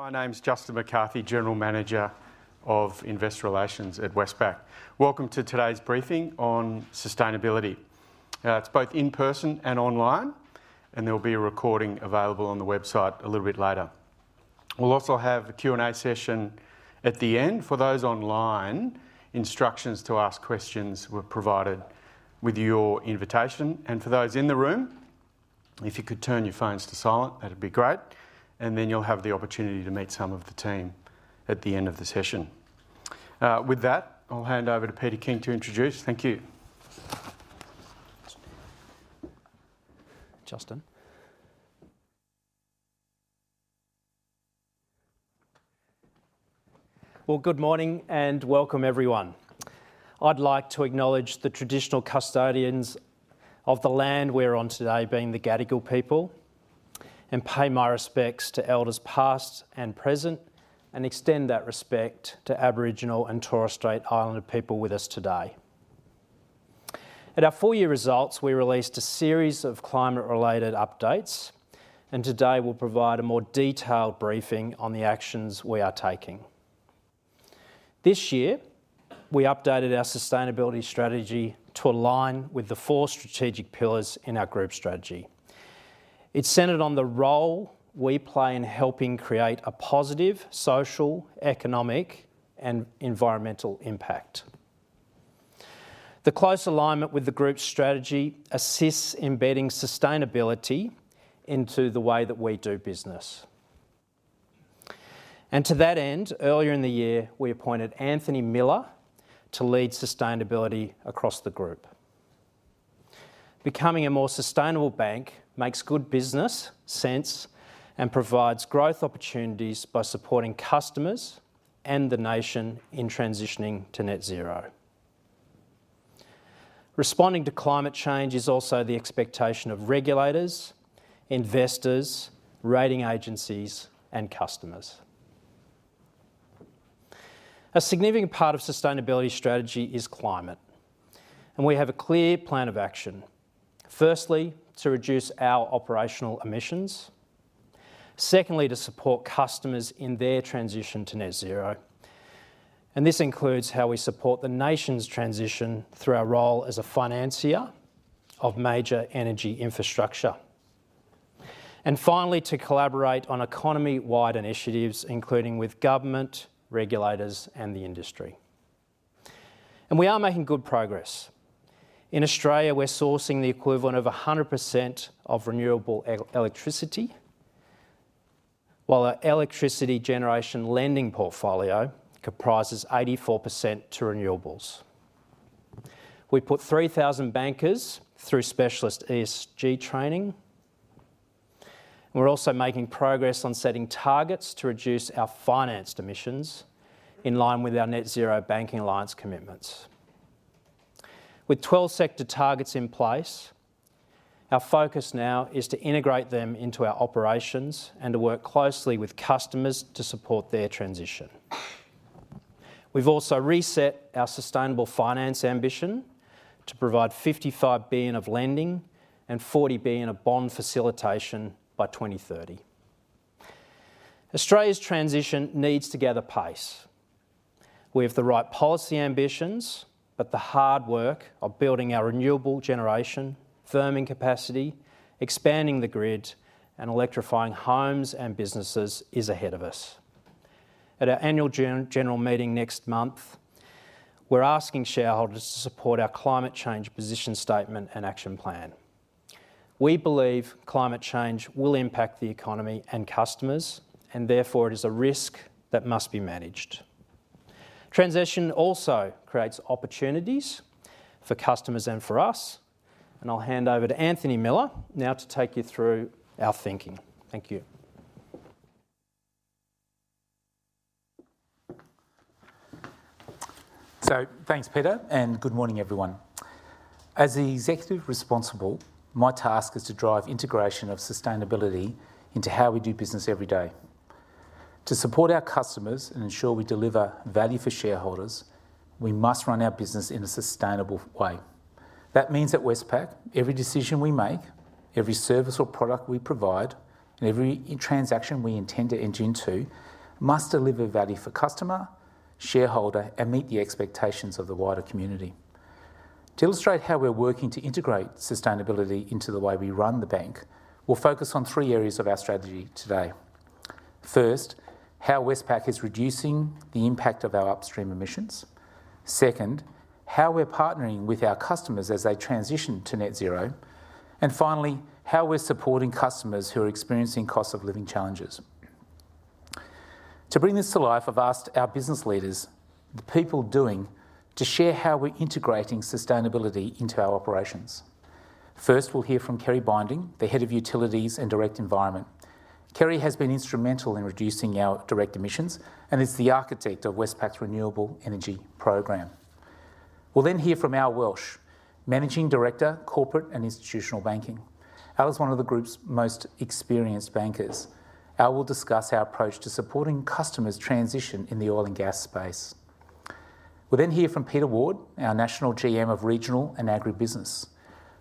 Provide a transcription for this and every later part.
My name's Justin McCarthy, General Manager of Investor Relations at Westpac. Welcome to today's briefing on sustainability. It's both in-person and online, and there'll be a recording available on the website a little bit later. We'll also have a Q&A session at the end. For those online, instructions to ask questions were provided with your invitation, and for those in the room, if you could turn your phones to silent, that'd be great, and then you'll have the opportunity to meet some of the team at the end of the session. With that, I'll hand over to Peter King to introduce. Thank you. Well, good morning, and welcome, everyone. I'd like to acknowledge the traditional custodians of the land we're on today, being the Gadigal people, and pay my respects to elders, past and present, and extend that respect to Aboriginal and Torres Strait Islander people with us today. At our full year results, we released a series of climate-related updates, and today we'll provide a more detailed briefing on the actions we are taking. This year, we updated our sustainability strategy to align with the four strategic pillars in our group strategy. It's centered on the role we play in helping create a positive social, economic, and environmental impact. The close alignment with the group's strategy assists embedding sustainability into the way that we do business. To that end, earlier in the year, we appointed Anthony Miller to lead sustainability across the group. Becoming a more sustainable bank makes good business sense, and provides growth opportunities by supporting customers and the nation in transitioning to net zero. Responding to climate change is also the expectation of regulators, investors, rating agencies, and customers. A significant part of sustainability strategy is climate, and we have a clear plan of action: firstly, to reduce our operational emissions. Secondly, to support customers in their transition to net zero, and this includes how we support the nation's transition through our role as a financier of major energy infrastructure. And finally, to collaborate on economy-wide initiatives, including with government, regulators, and the industry. We are making good progress. In Australia, we're sourcing the equivalent of 100% of renewable electricity, while our electricity generation lending portfolio comprises 84% to renewables. We put 3,000 bankers through specialist ESG training. We're also making progress on setting targets to reduce our financed emissions in line with our Net Zero Banking Alliance commitments. With 12 sector targets in place, our focus now is to integrate them into our operations and to work closely with customers to support their transition. We've also reset our sustainable finance ambition to provide 55 billion of lending and 40 billion of bond facilitation by 2030. Australia's transition needs to gather pace. We have the right policy ambitions, but the hard work of building our renewable generation, firming capacity, expanding the grid, and electrifying homes and businesses is ahead of us. At our annual general meeting next month, we're asking shareholders to support our Climate Change Position Statement and Action Plan. We believe climate change will impact the economy and customers, and therefore, it is a risk that must be managed. Transition also creates opportunities for customers and for us, and I'll hand over to Anthony Miller now to take you through our thinking. Thank you. So, thanks, Peter, and good morning, everyone. As the executive responsible, my task is to drive integration of sustainability into how we do business every day. To support our customers and ensure we deliver value for shareholders, we must run our business in a sustainable way. That means at Westpac, every decision we make, every service or product we provide, and every transaction we intend to enter into must deliver value for customer, shareholder, and meet the expectations of the wider community. To illustrate how we're working to integrate sustainability into the way we run the bank, we'll focus on three areas of our strategy today. First, how Westpac is reducing the impact of our upstream emissions. Second, how we're partnering with our customers as they transition to net zero. And finally, how we're supporting customers who are experiencing costs of living challenges. To bring this to life, I've asked our business leaders, the people doing, to share how we're integrating sustainability into our operations. First, we'll hear from Ceri Binding, the Head of Utilities and Direct Environment. Ceri has been instrumental in reducing our direct emissions and is the architect of Westpac's renewable energy program. We'll then hear from Al Welsh, Managing Director, Corporate and Institutional Banking. Al is one of the group's most experienced bankers. Al will discuss our approach to supporting customers' transition in the oil and gas space.... We'll then hear from Peta Ward, our National General Manager of Regional and Agribusiness.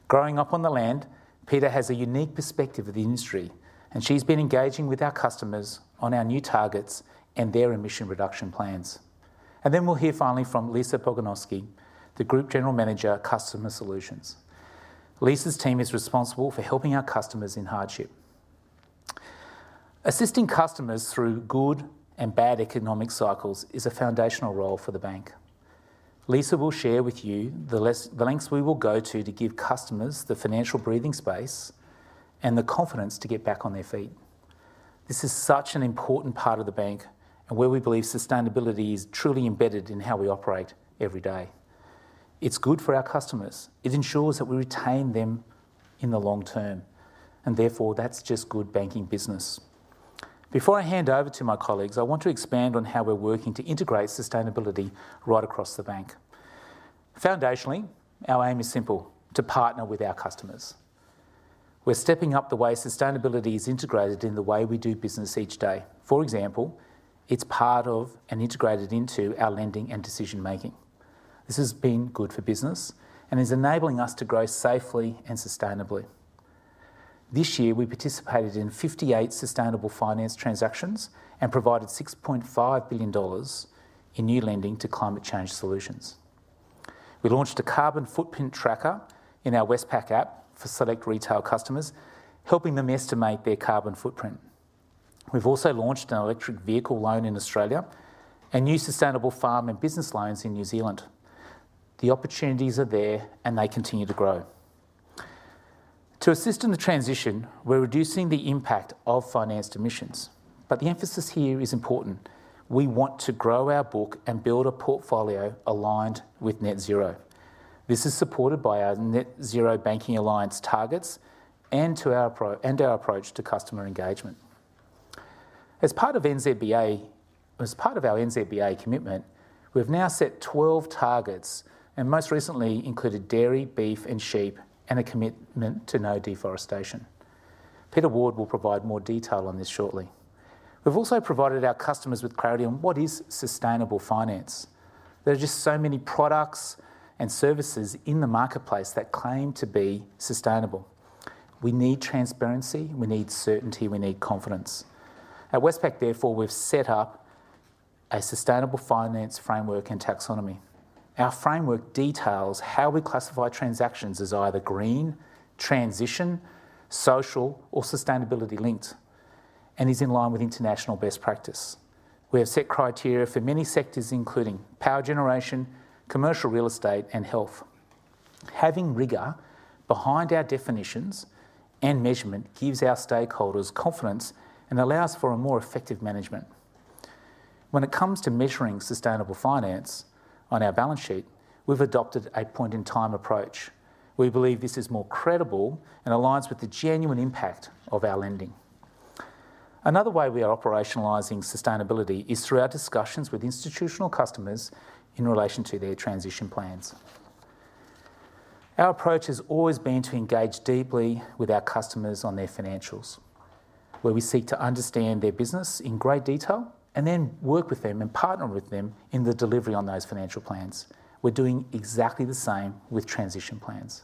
Growing up on the land, Peta has a unique perspective of the industry, and she's been engaging with our customers on our new targets and their emission reduction plans. And then we'll hear finally from Lisa Pogonoski, the Group General Manager, Customer Solutions. Lisa's team is responsible for helping our customers in hardship. Assisting customers through good and bad economic cycles is a foundational role for the bank. Lisa will share with you the lengths we will go to, to give customers the financial breathing space and the confidence to get back on their feet. This is such an important part of the bank, and where we believe sustainability is truly embedded in how we operate every day. It's good for our customers. It ensures that we retain them in the long term, and therefore, that's just good banking business. Before I hand over to my colleagues, I want to expand on how we're working to integrate sustainability right across the bank. Foundationally, our aim is simple: to partner with our customers. We're stepping up the way sustainability is integrated in the way we do business each day. For example, it's part of, and integrated into, our lending and decision-making. This has been good for business and is enabling us to grow safely and sustainably. This year, we participated in 58 sustainable finance transactions and provided 6.5 billion dollars in new lending to climate change solutions. We launched a Carbon Footprint Tracker in our Westpac app for select retail customers, helping them estimate their carbon footprint. We've also launched an electric vehicle loan in Australia and new sustainable farm and business loans in New Zealand. The opportunities are there, and they continue to grow. To assist in the transition, we're reducing the impact of financed emissions, but the emphasis here is important. We want to grow our book and build a portfolio aligned with net zero. This is supported by our Net Zero Banking Alliance targets and our approach to customer engagement. As part of our NZBA commitment, we've now set 12 targets, and most recently included dairy, beef, and sheep, and a commitment to no deforestation. Peta Ward will provide more detail on this shortly. We've also provided our customers with clarity on what is sustainable finance. There are just so many products and services in the marketplace that claim to be sustainable. We need transparency, we need certainty, we need confidence. At Westpac, therefore, we've set up a Sustainable Finance Framework and taxonomy. Our framework details how we classify transactions as either green, transition, social, or sustainability-linked, and is in line with international best practice. We have set criteria for many sectors, including power generation, commercial real estate, and health. Having rigor behind our definitions and measurement gives our stakeholders confidence and allows for a more effective management. When it comes to measuring sustainable finance on our balance sheet, we've adopted a point-in-time approach. We believe this is more credible and aligns with the genuine impact of our lending. Another way we are operationalizing sustainability is through our discussions with institutional customers in relation to their transition plans. Our approach has always been to engage deeply with our customers on their financials, where we seek to understand their business in great detail, and then work with them and partner with them in the delivery on those financial plans. We're doing exactly the same with transition plans.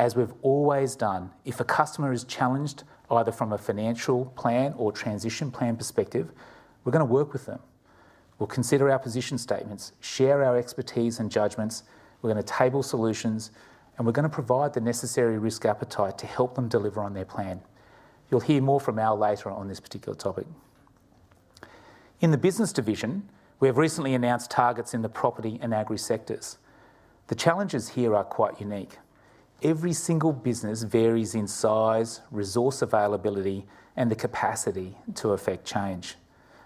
As we've always done, if a customer is challenged, either from a financial plan or transition plan perspective, we're going to work with them. We'll consider our position statements, share our expertise and judgments, we're going to table solutions, and we're going to provide the necessary risk appetite to help them deliver on their plan. You'll hear more from Al later on this particular topic. In the business division, we have recently announced targets in the property and agri sectors. The challenges here are quite unique. Every single business varies in size, resource availability, and the capacity to effect change.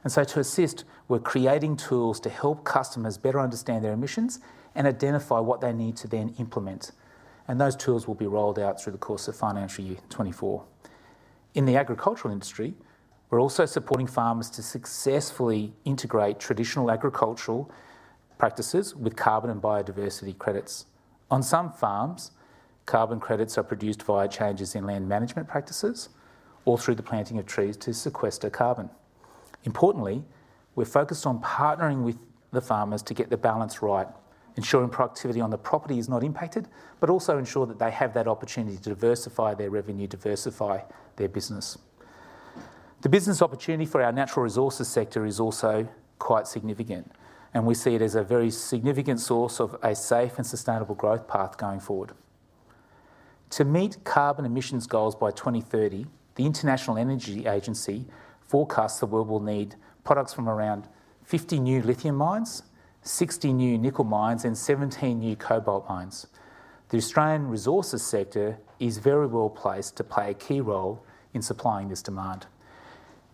And so to assist, we're creating tools to help customers better understand their emissions and identify what they need to then implement, and those tools will be rolled out through the course of financial year 2024. In the agricultural industry, we're also supporting farmers to successfully integrate traditional agricultural practices with carbon and biodiversity credits. On some farms, carbon credits are produced via changes in land management practices or through the planting of trees to sequester carbon. Importantly, we're focused on partnering with the farmers to get the balance right, ensuring productivity on the property is not impacted, but also ensure that they have that opportunity to diversify their revenue, diversify their business. The business opportunity for our natural resources sector is also quite significant, and we see it as a very significant source of a safe and sustainable growth path going forward. To meet carbon emissions goals by 2030, the International Energy Agency forecasts the world will need products from around 50 new lithium mines, 60 new nickel mines, and 17 new cobalt mines. The Australian resources sector is very well placed to play a key role in supplying this demand.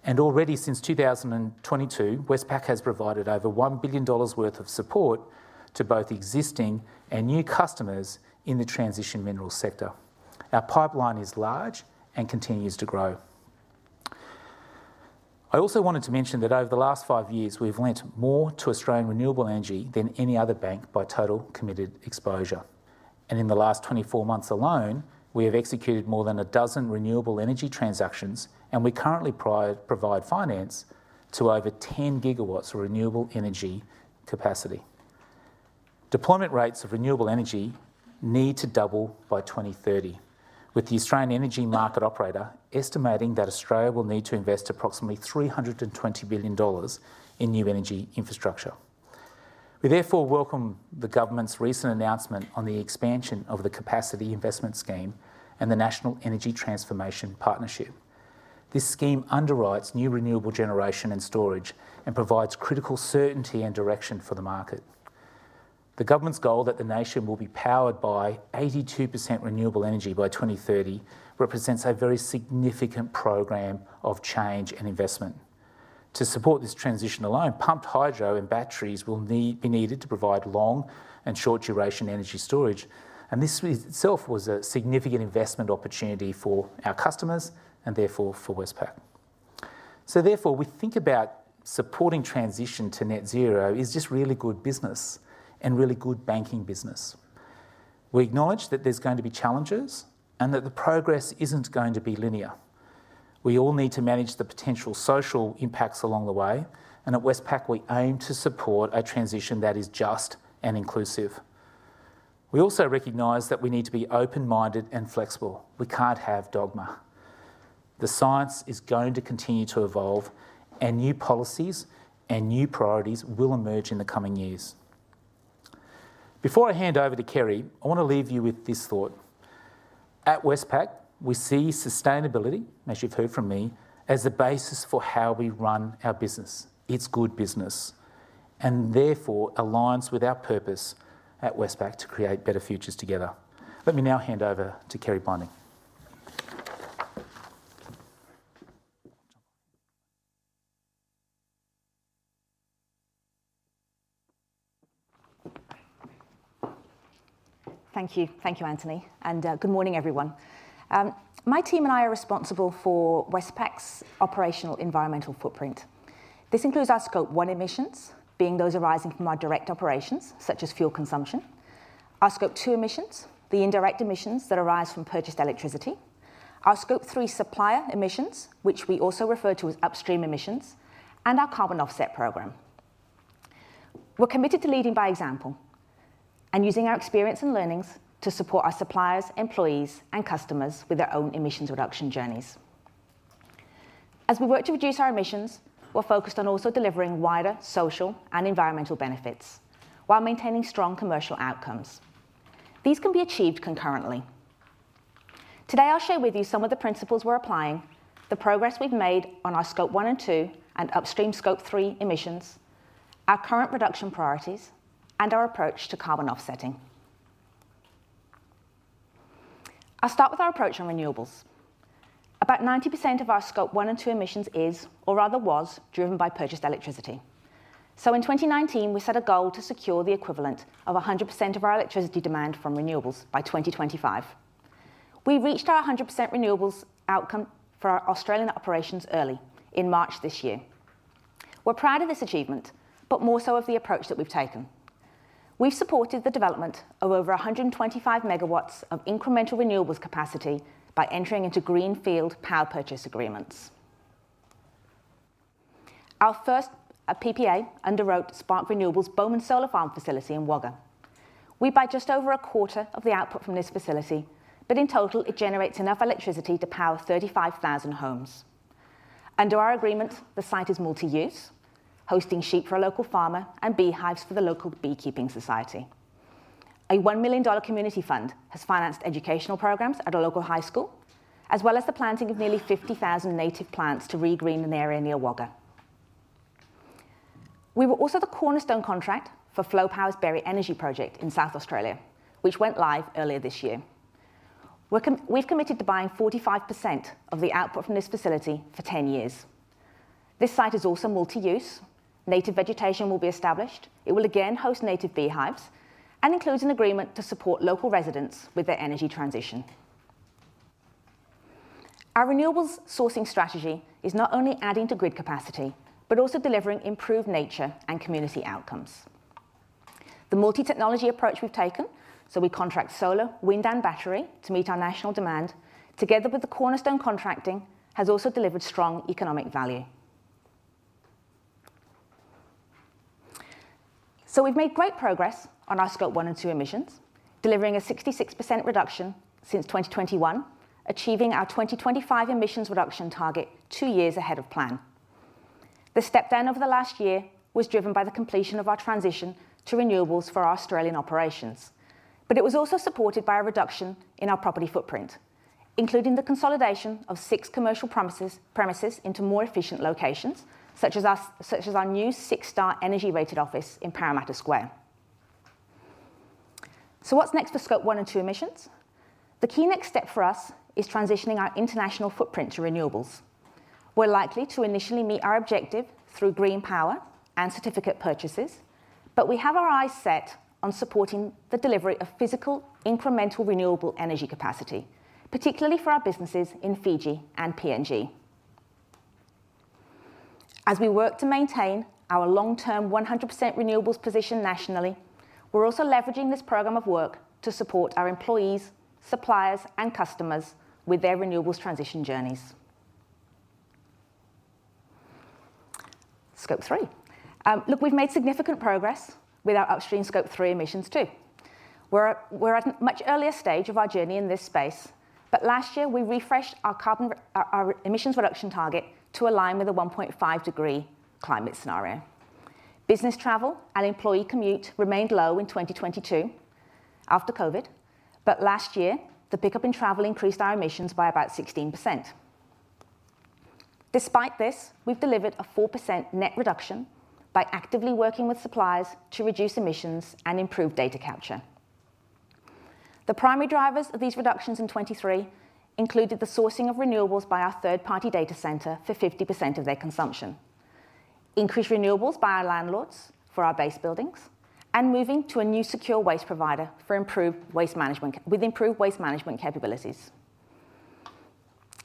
Already, since 2022, Westpac has provided over 1 billion dollars worth of support to both existing and new customers in the transition mineral sector. Our pipeline is large and continues to grow. I also wanted to mention that over the last five years, we've lent more to Australian renewable energy than any other bank by total committed exposure, and in the last 24 months alone, we have executed more than a dozen renewable energy transactions, and we currently provide finance to over 10 GW of renewable energy capacity. Deployment rates of renewable energy need to double by 2030, with the Australian Energy Market Operator estimating that Australia will need to invest approximately 320 billion dollars in new energy infrastructure. We therefore welcome the government's recent announcement on the expansion of the Capacity Investment Scheme and the National Energy Transformation Partnership. This scheme underwrites new renewable generation and storage and provides critical certainty and direction for the market. The government's goal that the nation will be powered by 82% renewable energy by 2030 represents a very significant program of change and investment. To support this transition alone, pumped hydro and batteries will be needed to provide long and short duration energy storage, and this week itself was a significant investment opportunity for our customers and therefore for Westpac. So therefore, we think about supporting transition to net zero is just really good business and really good banking business. We acknowledge that there's going to be challenges and that the progress isn't going to be linear. We all need to manage the potential social impacts along the way, and at Westpac, we aim to support a transition that is just and inclusive. We also recognize that we need to be open-minded and flexible. We can't have dogma. The science is going to continue to evolve, and new policies and new priorities will emerge in the coming years. Before I hand over to Ceri, I want to leave you with this thought: at Westpac, we see sustainability, as you've heard from me, as the basis for how we run our business. It's good business and therefore aligns with our purpose at Westpac to create better futures together. Let me now hand over to Ceri Binding. Thank you. Thank you, Anthony, and good morning, everyone. My team and I are responsible for Westpac's operational environmental footprint. This includes our Scope 1 emissions, being those arising from our direct operations, such as fuel consumption. Our Scope 2 emissions, the indirect emissions that arise from purchased electricity. Our Scope 3 supplier emissions, which we also refer to as upstream emissions. And our carbon offset program. We're committed to leading by example and using our experience and learnings to support our suppliers, employees, and customers with their own emissions reduction journeys. As we work to reduce our emissions, we're focused on also delivering wider social and environmental benefits while maintaining strong commercial outcomes. These can be achieved concurrently. Today, I'll share with you some of the principles we're applying, the progress we've made on our Scope 1 and 2 and upstream Scope 3 emissions, our current reduction priorities, and our approach to carbon offsetting. I'll start with our approach on renewables. About 90% of our Scope 1 and 2 emissions is, or rather was, driven by purchased electricity. So in 2019, we set a goal to secure the equivalent of 100% of our electricity demand from renewables by 2025. We reached our 100% renewables outcome for our Australian operations early in March this year. We're proud of this achievement, but more so of the approach that we've taken. We've supported the development of over 125 megawatts of incremental renewables capacity by entering into greenfield power purchase agreements. Our first PPA underwrote Spark Renewables' Bomen Solar Farm facility in Wagga Wagga. We buy just over a quarter of the output from this facility, but in total, it generates enough electricity to power 35,000 homes. Under our agreement, the site is multi-use, hosting sheep for a local farmer and beehives for the local beekeeping society. A 1 million dollar community fund has financed educational programs at a local high school, as well as the planting of nearly 50,000 native plants to regreen an area near Wagga Wagga. We were also the cornerstone contract for Flow Power's Berri Energy project in South Australia, which went live earlier this year. We've committed to buying 45% of the output from this facility for 10 years. This site is also multi-use. Native vegetation will be established. It will again host native beehives and includes an agreement to support local residents with their energy transition. Our renewables sourcing strategy is not only adding to grid capacity, but also delivering improved nature and community outcomes. The multi-technology approach we've taken, so we contract solar, wind, and battery to meet our national demand, together with the cornerstone contracting, has also delivered strong economic value. So we've made great progress on our Scope 1 and 2 emissions, delivering a 66% reduction since 2021, achieving our 2025 emissions reduction target two years ahead of plan. The step down over the last year was driven by the completion of our transition to renewables for our Australian operations, but it was also supported by a reduction in our property footprint, including the consolidation of six commercial premises into more efficient locations, such as our new six-star energy-rated office in Parramatta Square. So what's next for Scope 1 and 2 emissions? The key next step for us is transitioning our international footprint to renewables. We're likely to initially meet our objective through green power and certificate purchases, but we have our eyes set on supporting the delivery of physical, incremental, renewable energy capacity, particularly for our businesses in Fiji and PNG. As we work to maintain our long-term 100% renewables position nationally, we're also leveraging this program of work to support our employees, suppliers, and customers with their renewables transition journeys. Scope 3. Look, we've made significant progress with our upstream Scope 3 emissions, too. We're at a much earlier stage of our journey in this space, but last year we refreshed our carbon, our emissions reduction target to align with a 1.5-degree climate scenario. Business travel and employee commute remained low in 2022 after COVID, but last year, the pickup in travel increased our emissions by about 16%. Despite this, we've delivered a 4% net reduction by actively working with suppliers to reduce emissions and improve data capture. The primary drivers of these reductions in 2023 included the sourcing of renewables by our third-party data center for 50% of their consumption, increased renewables by our landlords for our base buildings, and moving to a new secure waste provider for improved waste management with improved waste management capabilities.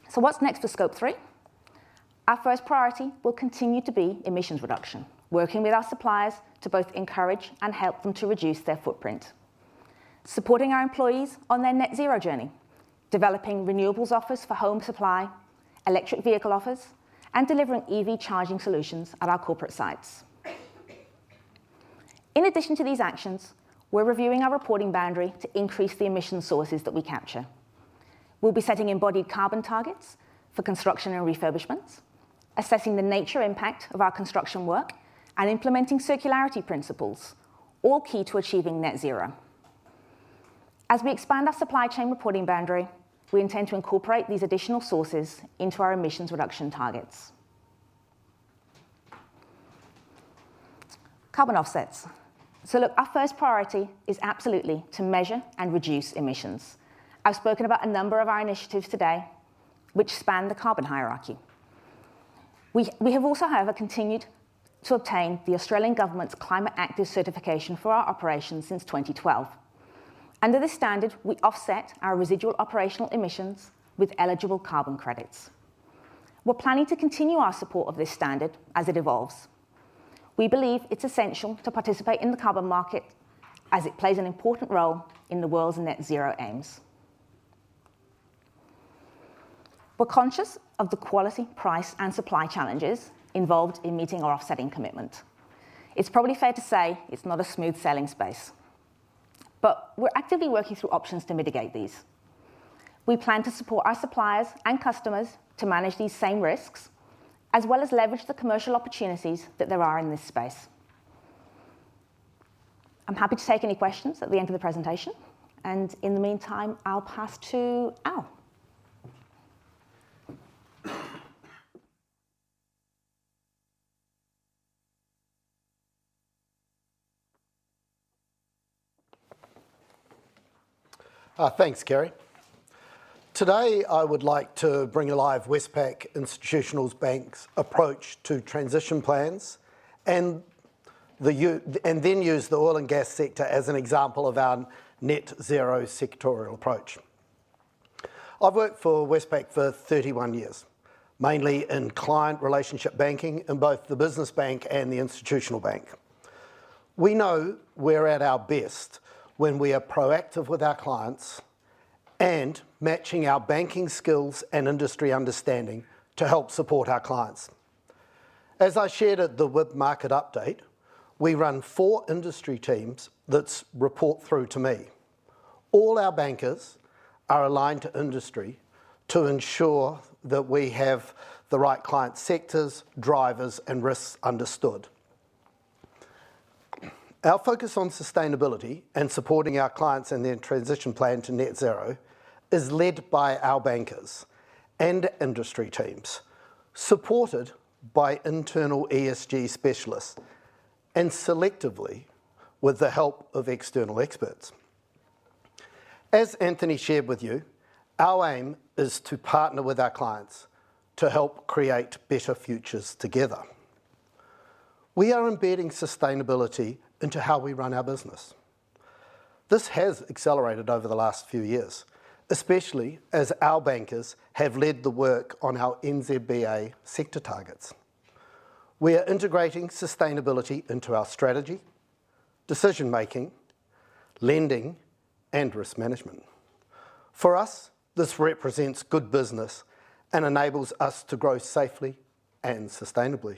So what's next for Scope 3? Our first priority will continue to be emissions reduction, working with our suppliers to both encourage and help them to reduce their footprint, supporting our employees on their net-zero journey, developing renewables offers for home supply, electric vehicle offers, and delivering EV charging solutions at our corporate sites. In addition to these actions, we're reviewing our reporting boundary to increase the emission sources that we capture. We'll be setting embodied carbon targets for construction and refurbishments, assessing the nature impact of our construction work, and implementing circularity principles, all key to achieving net zero. As we expand our supply chain reporting boundary, we intend to incorporate these additional sources into our emissions reduction targets. Carbon offsets. So look, our first priority is absolutely to measure and reduce emissions. I've spoken about a number of our initiatives today which span the carbon hierarchy. We have also, however, continued to obtain the Australian Government's Climate Active certification for our operations since 2012. Under this standard, we offset our residual operational emissions with eligible carbon credits. We're planning to continue our support of this standard as it evolves. We believe it's essential to participate in the carbon market, as it plays an important role in the world's net zero aims. We're conscious of the quality, price, and supply challenges involved in meeting our offsetting commitment. It's probably fair to say it's not a smooth sailing space, but we're actively working through options to mitigate these. We plan to support our suppliers and customers to manage these same risks, as well as leverage the commercial opportunities that there are in this space. I'm happy to take any questions at the end of the presentation, and in the meantime, I'll pass to Al. Thanks, Ceri. Today, I would like to bring alive Westpac Institutional Bank's approach to transition plans and then use the oil and gas sector as an example of our net zero sectoral approach. I've worked for Westpac for 31 years, mainly in client relationship banking in both the business bank and the institutional bank. We know we're at our best when we are proactive with our clients and matching our banking skills and industry understanding to help support our clients. As I shared at the WIB market update, we run four industry teams that report through to me. All our bankers are aligned to industry to ensure that we have the right client sectors, drivers, and risks understood. Our focus on sustainability and supporting our clients in their transition plan to net zero is led by our bankers and industry teams, supported by internal ESG specialists, and selectively, with the help of external experts. As Anthony shared with you, our aim is to partner with our clients to help create better futures together. We are embedding sustainability into how we run our business. This has accelerated over the last few years, especially as our bankers have led the work on our NZBA sector targets. We are integrating sustainability into our strategy, decision-making, lending, and risk management. For us, this represents good business and enables us to grow safely and sustainably.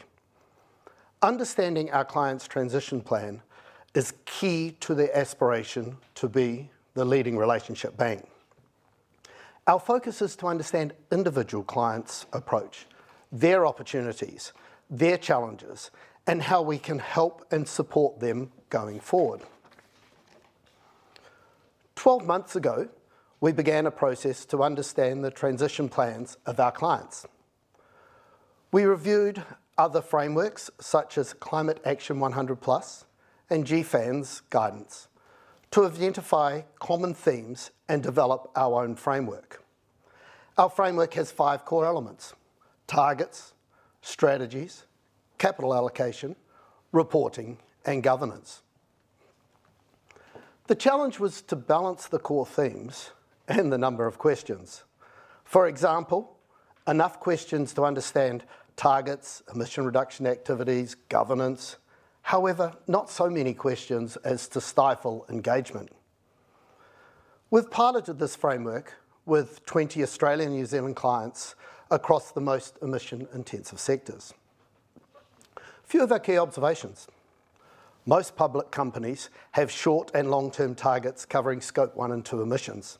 Understanding our clients' transition plan is key to the aspiration to be the leading relationship bank. Our focus is to understand individual clients' approach, their opportunities, their challenges, and how we can help and support them going forward. 12 months ago, we began a process to understand the transition plans of our clients. We reviewed other frameworks, such as Climate Action 100+ and GFANZ's guidance, to identify common themes and develop our own framework. Our framework has 5 core elements: targets, strategies, capital allocation, reporting, and governance. The challenge was to balance the core themes and the number of questions. For example, enough questions to understand targets, emission reduction activities, governance. However, not so many questions as to stifle engagement. We've piloted this framework with 20 Australian and New Zealand clients across the most emission-intensive sectors. A few of our key observations: Most public companies have short- and long-term targets covering Scope 1 and 2 emissions.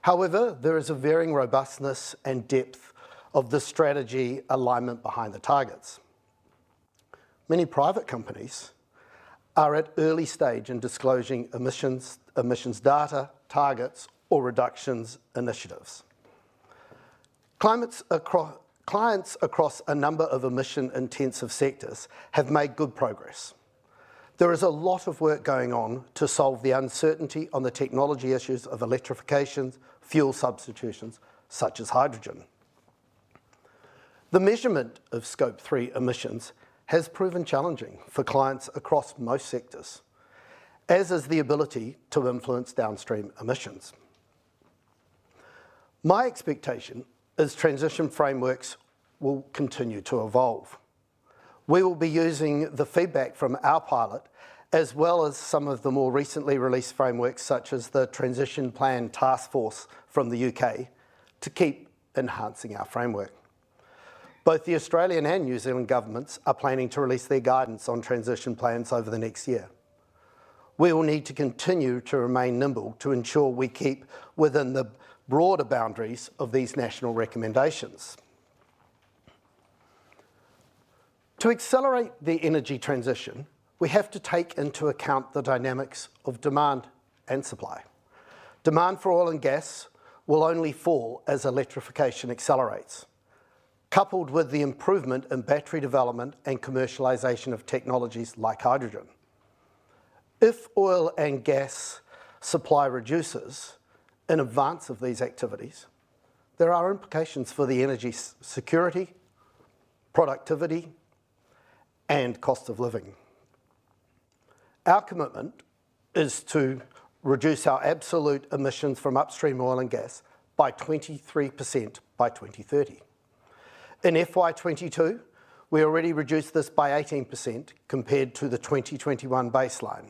However, there is a varying robustness and depth of the strategy alignment behind the targets. Many private companies are at early stage in disclosing emissions, emissions data, targets, or reductions initiatives. Clients across a number of emission-intensive sectors have made good progress. There is a lot of work going on to solve the uncertainty on the technology issues of electrifications, fuel substitutions, such as hydrogen. The measurement of Scope 3 emissions has proven challenging for clients across most sectors, as is the ability to influence downstream emissions. My expectation is transition frameworks will continue to evolve. We will be using the feedback from our pilot, as well as some of the more recently released frameworks, such as the Transition Plan Taskforce from the U.K., to keep enhancing our framework. Both the Australian and New Zealand governments are planning to release their guidance on transition plans over the next year. We will need to continue to remain nimble to ensure we keep within the broader boundaries of these national recommendations. To accelerate the energy transition, we have to take into account the dynamics of demand and supply. Demand for oil and gas will only fall as electrification accelerates, coupled with the improvement in battery development and commercialization of technologies like hydrogen. If oil and gas supply reduces in advance of these activities, there are implications for the energy security, productivity, and cost of living. Our commitment is to reduce our absolute emissions from upstream oil and gas by 23% by 2030. In FY 2022, we already reduced this by 18% compared to the 2021 baseline.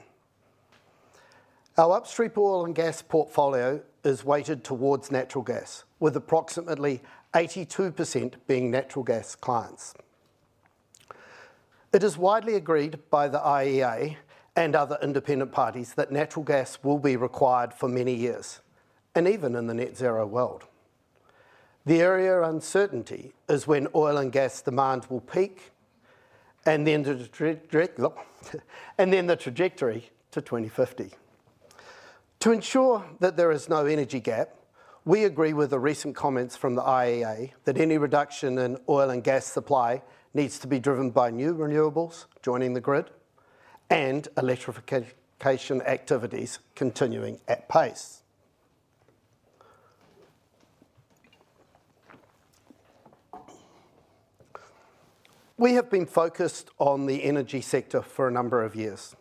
Our upstream oil and gas portfolio is weighted towards natural gas, with approximately 82% being natural gas clients. It is widely agreed by the IEA and other independent parties that natural gas will be required for many years, and even in the net zero world. The area of uncertainty is when oil and gas demand will peak, and then the trajectory to 2050. To ensure that there is no energy gap, we agree with the recent comments from the IEA that any reduction in oil and gas supply needs to be driven by new renewables joining the grid and electrification activities continuing at pace. We have been focused on the energy sector for a number of years.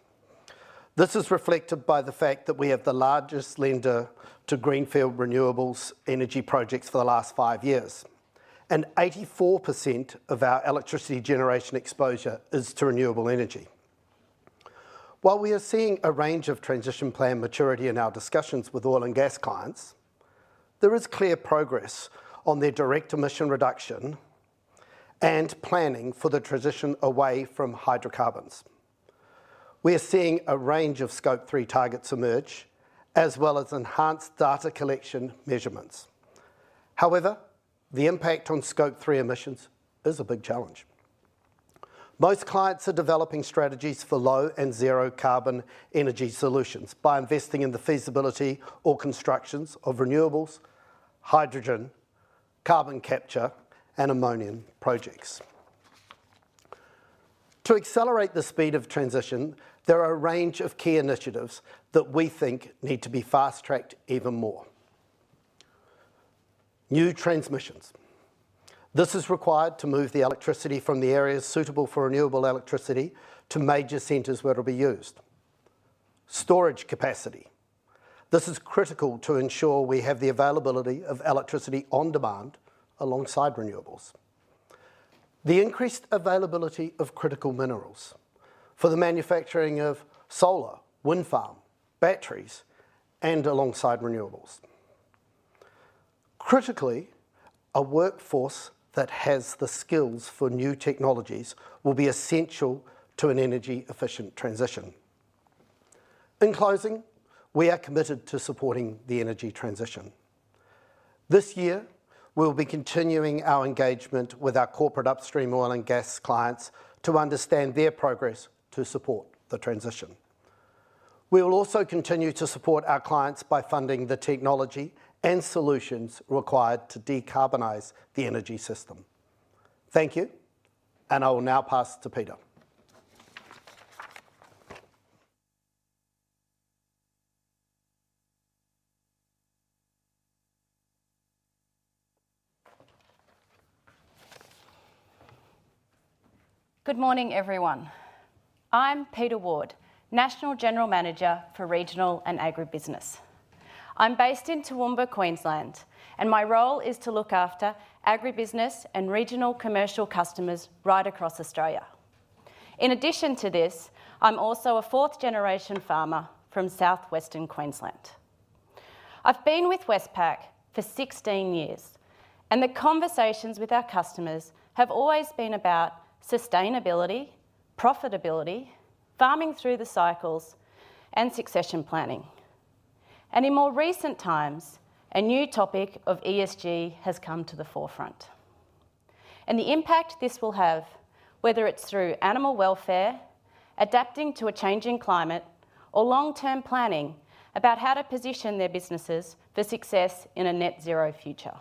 This is reflected by the fact that we have the largest lender to greenfield renewable energy projects for the last five years, and 84% of our electricity generation exposure is to renewable energy. While we are seeing a range of transition plan maturity in our discussions with oil and gas clients, there is clear progress on their direct emission reduction and planning for the transition away from hydrocarbons. We are seeing a range of Scope 3 targets emerge, as well as enhanced data collection measurements. However, the impact on Scope 3 emissions is a big challenge. Most clients are developing strategies for low and zero carbon energy solutions by investing in the feasibility or constructions of renewables, hydrogen, carbon capture, and ammonium projects. To accelerate the speed of transition, there are a range of key initiatives that we think need to be fast-tracked even more. New transmissions. This is required to move the electricity from the areas suitable for renewable electricity to major centers where it'll be used. Storage capacity. This is critical to ensure we have the availability of electricity on demand alongside renewables. The increased availability of critical minerals for the manufacturing of solar, wind farm, batteries, and alongside renewables. Critically, a workforce that has the skills for new technologies will be essential to an energy-efficient transition. In closing, we are committed to supporting the energy transition. This year, we'll be continuing our engagement with our corporate upstream oil and gas clients to understand their progress to support the transition. We will also continue to support our clients by funding the technology and solutions required to decarbonize the energy system. Thank you, and I will now pass to Peter. ... Good morning, everyone. I'm Peta Ward, National General Manager for Regional and Agribusiness. I'm based in Toowoomba, Queensland, and my role is to look after agribusiness and regional commercial customers right across Australia. In addition to this, I'm also a fourth-generation farmer from southwestern Queensland. I've been with Westpac for 16 years, and the conversations with our customers have always been about sustainability, profitability, farming through the cycles, and succession planning. In more recent times, a new topic of ESG has come to the forefront, and the impact this will have, whether it's through animal welfare, adapting to a changing climate, or long-term planning about how to position their businesses for success in a net zero future.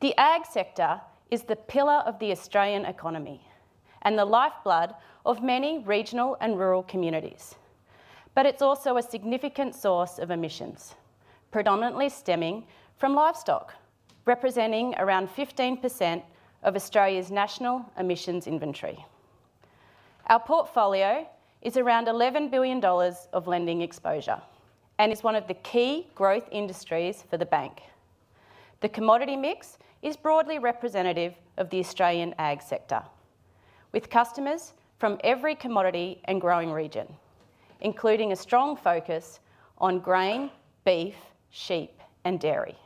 The ag sector is the pillar of the Australian economy and the lifeblood of many regional and rural communities, but it's also a significant source of emissions, predominantly stemming from livestock, representing around 15% of Australia's national emissions inventory. Our portfolio is around 11 billion dollars of lending exposure and is one of the key growth industries for the bank. The commodity mix is broadly representative of the Australian ag sector, with customers from every commodity and growing region, including a strong focus on grain, beef, sheep, and dairy.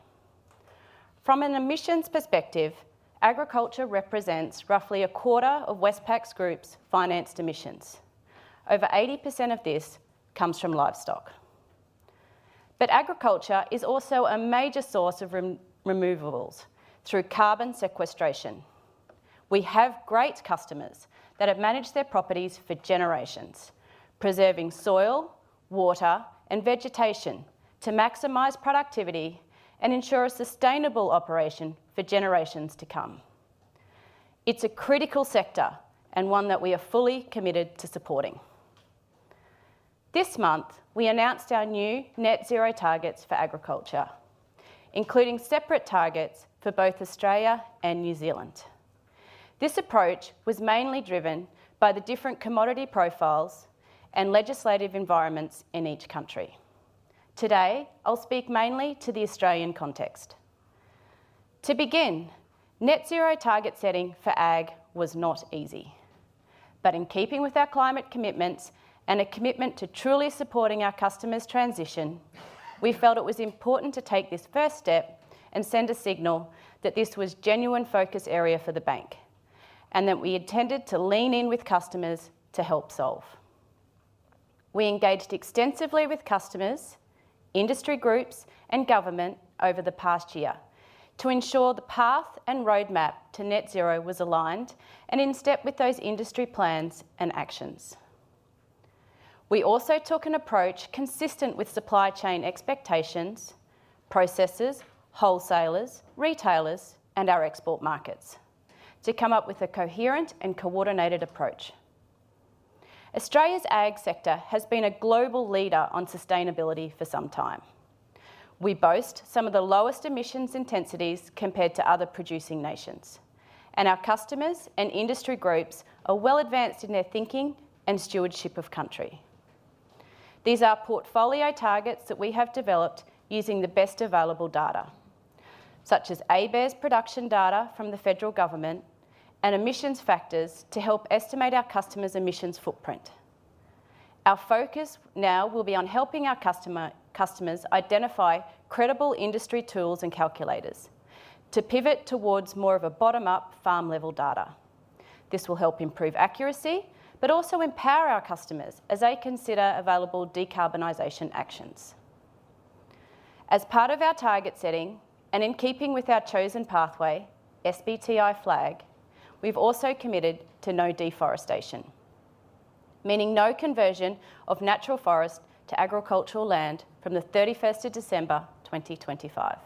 From an emissions perspective, agriculture represents roughly a quarter of Westpac Group's financed emissions. Over 80% of this comes from livestock. But agriculture is also a major source of renewables through carbon sequestration. We have great customers that have managed their properties for generations, preserving soil, water, and vegetation to maximize productivity and ensure a sustainable operation for generations to come. It's a critical sector and one that we are fully committed to supporting. This month, we announced our new net zero targets for agriculture, including separate targets for both Australia and New Zealand. This approach was mainly driven by the different commodity profiles and legislative environments in each country. Today, I'll speak mainly to the Australian context. To begin, net zero target setting for ag was not easy. But in keeping with our climate commitments and a commitment to truly supporting our customers' transition, we felt it was important to take this first step and send a signal that this was genuine focus area for the bank, and that we intended to lean in with customers to help solve. We engaged extensively with customers, industry groups, and government over the past year to ensure the path and roadmap to net zero was aligned and in step with those industry plans and actions. We also took an approach consistent with supply chain expectations, processors, wholesalers, retailers, and our export markets, to come up with a coherent and coordinated approach. Australia's ag sector has been a global leader on sustainability for some time. We boast some of the lowest emissions intensities compared to other producing nations, and our customers and industry groups are well advanced in their thinking and stewardship of country. These are portfolio targets that we have developed using the best available data, such as ABARES production data from the federal government and emissions factors to help estimate our customers' emissions footprint. Our focus now will be on helping our customer, customers identify credible industry tools and calculators to pivot towards more of a bottom-up farm level data. This will help improve accuracy, but also empower our customers as they consider available decarbonization actions. As part of our target setting and in keeping with our chosen pathway, SBTi FLAG, we've also committed to no deforestation, meaning no conversion of natural forest to agricultural land from the thirty-first of December, 2025.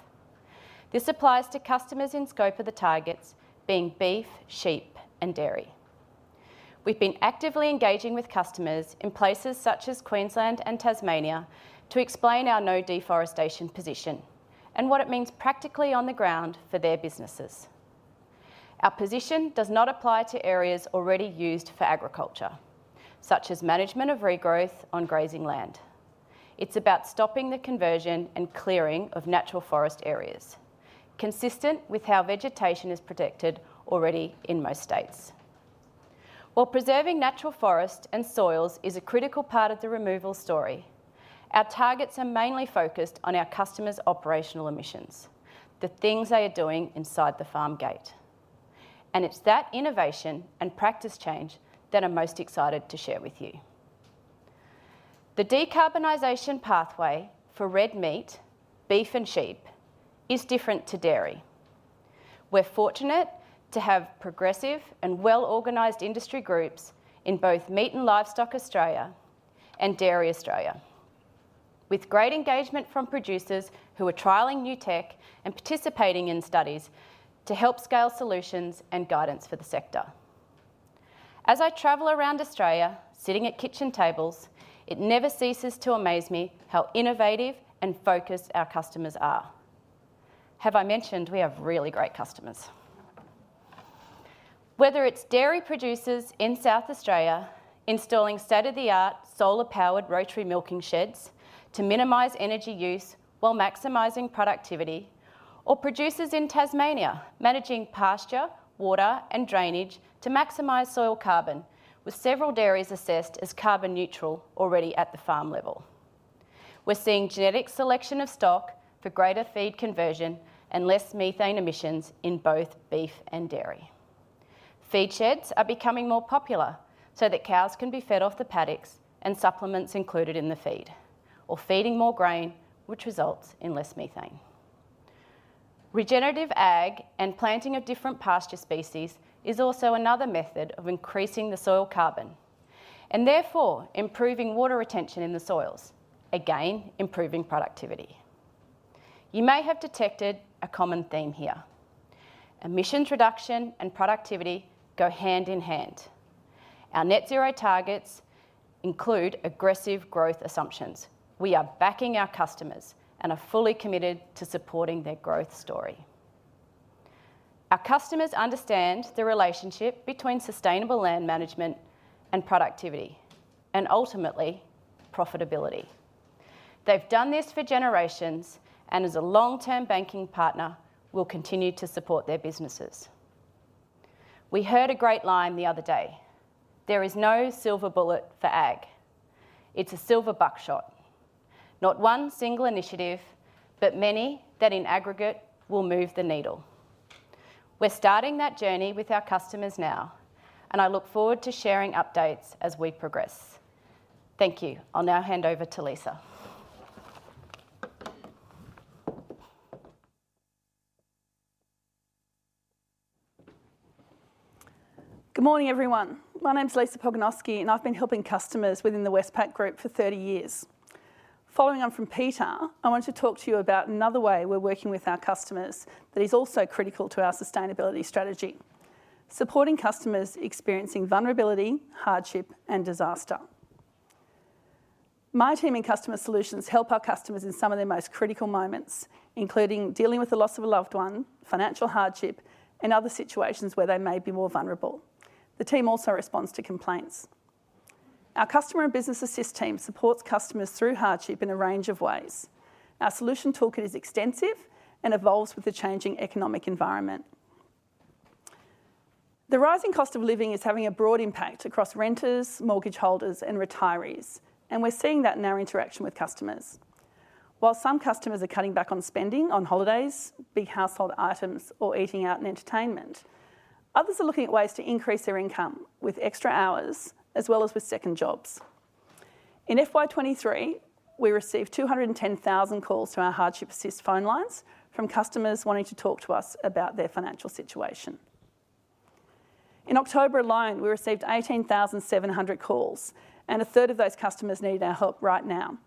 This applies to customers in scope of the targets being beef, sheep, and dairy. We've been actively engaging with customers in places such as Queensland and Tasmania to explain our no deforestation position and what it means practically on the ground for their businesses. Our position does not apply to areas already used for agriculture, such as management of regrowth on grazing land. It's about stopping the conversion and clearing of natural forest areas, consistent with how vegetation is protected already in most states. While preserving natural forest and soils is a critical part of the removal story, our targets are mainly focused on our customers' operational emissions, the things they are doing inside the farm gate, and it's that innovation and practice change that I'm most excited to share with you. The decarbonization pathway for red meat, beef and sheep, is different to dairy. We're fortunate to have progressive and well-organized industry groups in both Meat and Livestock Australia and Dairy Australia, with great engagement from producers who are trialing new tech and participating in studies to help scale solutions and guidance for the sector. As I travel around Australia, sitting at kitchen tables, it never ceases to amaze me how innovative and focused our customers are... Have I mentioned we have really great customers? Whether it's dairy producers in South Australia installing state-of-the-art solar-powered rotary milking sheds to minimize energy use while maximizing productivity, or producers in Tasmania managing pasture, water, and drainage to maximize soil carbon, with several dairies assessed as carbon neutral already at the farm level. We're seeing genetic selection of stock for greater feed conversion and less methane emissions in both beef and dairy. Feed sheds are becoming more popular so that cows can be fed off the paddocks and supplements included in the feed, or feeding more grain, which results in less methane. Regenerative ag and planting of different pasture species is also another method of increasing the soil carbon, and therefore, improving water retention in the soils, again, improving productivity. You may have detected a common theme here: emissions reduction and productivity go hand in hand. Our net zero targets include aggressive growth assumptions. We are backing our customers and are fully committed to supporting their growth story. Our customers understand the relationship between sustainable land management and productivity, and ultimately, profitability. They've done this for generations, and as a long-term banking partner, we'll continue to support their businesses. We heard a great line the other day: there is no silver bullet for ag. It's a silver buckshot. Not one single initiative, but many that, in aggregate, will move the needle. We're starting that journey with our customers now, and I look forward to sharing updates as we progress. Thank you. I'll now hand over to Lisa. Good morning, everyone. My name's Lisa Pogonoski, and I've been helping customers within the Westpac Group for 30 years. Following on from Peta, I want to talk to you about another way we're working with our customers that is also critical to our sustainability strategy, supporting customers experiencing vulnerability, hardship, and disaster. My team in Customer Solutions help our customers in some of their most critical moments, including dealing with the loss of a loved one, financial hardship, and other situations where they may be more vulnerable. The team also responds to complaints. Our Customer and Business Assist team supports customers through hardship in a range of ways. Our solution toolkit is extensive and evolves with the changing economic environment. The rising cost of living is having a broad impact across renters, mortgage holders, and retirees, and we're seeing that in our interaction with customers. While some customers are cutting back on spending on holidays, big household items, or eating out and entertainment, others are looking at ways to increase their income with extra hours, as well as with second jobs. In FY 2023, we received 210,000 calls to our hardship assist phone lines from customers wanting to talk to us about their financial situation. In October alone, we received 18,700 calls, and a third of those customers need our help right now.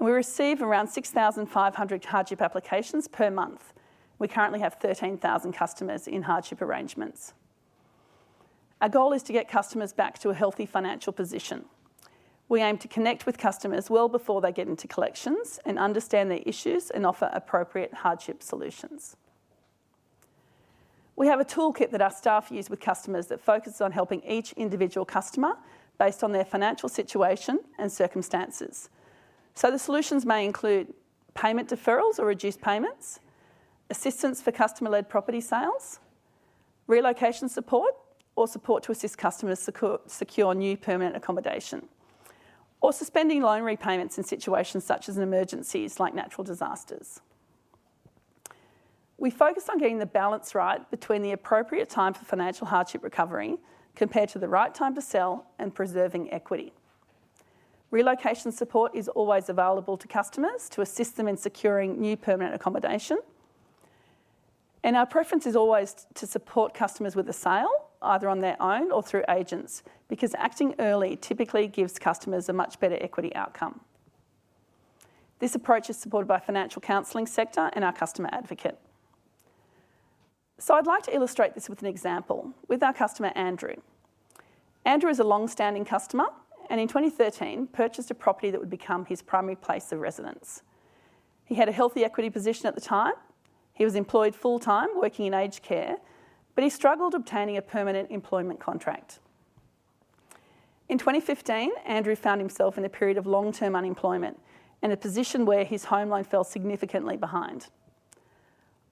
We receive around 6,500 hardship applications per month. We currently have 13,000 customers in hardship arrangements. Our goal is to get customers back to a healthy financial position. We aim to connect with customers well before they get into collections and understand their issues and offer appropriate hardship solutions. We have a toolkit that our staff use with customers that focuses on helping each individual customer based on their financial situation and circumstances. So the solutions may include payment deferrals or reduced payments, assistance for customer-led property sales, relocation support, or support to assist customers secure new permanent accommodation, or suspending loan repayments in situations such as emergencies, like natural disasters. We focus on getting the balance right between the appropriate time for financial hardship recovery, compared to the right time to sell and preserving equity. Relocation support is always available to customers to assist them in securing new permanent accommodation. Our preference is always to support customers with a sale, either on their own or through agents, because acting early typically gives customers a much better equity outcome. This approach is supported by financial counseling sector and our Customer Advocate. I'd like to illustrate this with an example with our customer, Andrew. Andrew is a long-standing customer, and in 2013, purchased a property that would become his primary place of residence. He had a healthy equity position at the time. He was employed full-time, working in aged care, but he struggled obtaining a permanent employment contract. In 2015, Andrew found himself in a period of long-term unemployment and a position where his home loan fell significantly behind.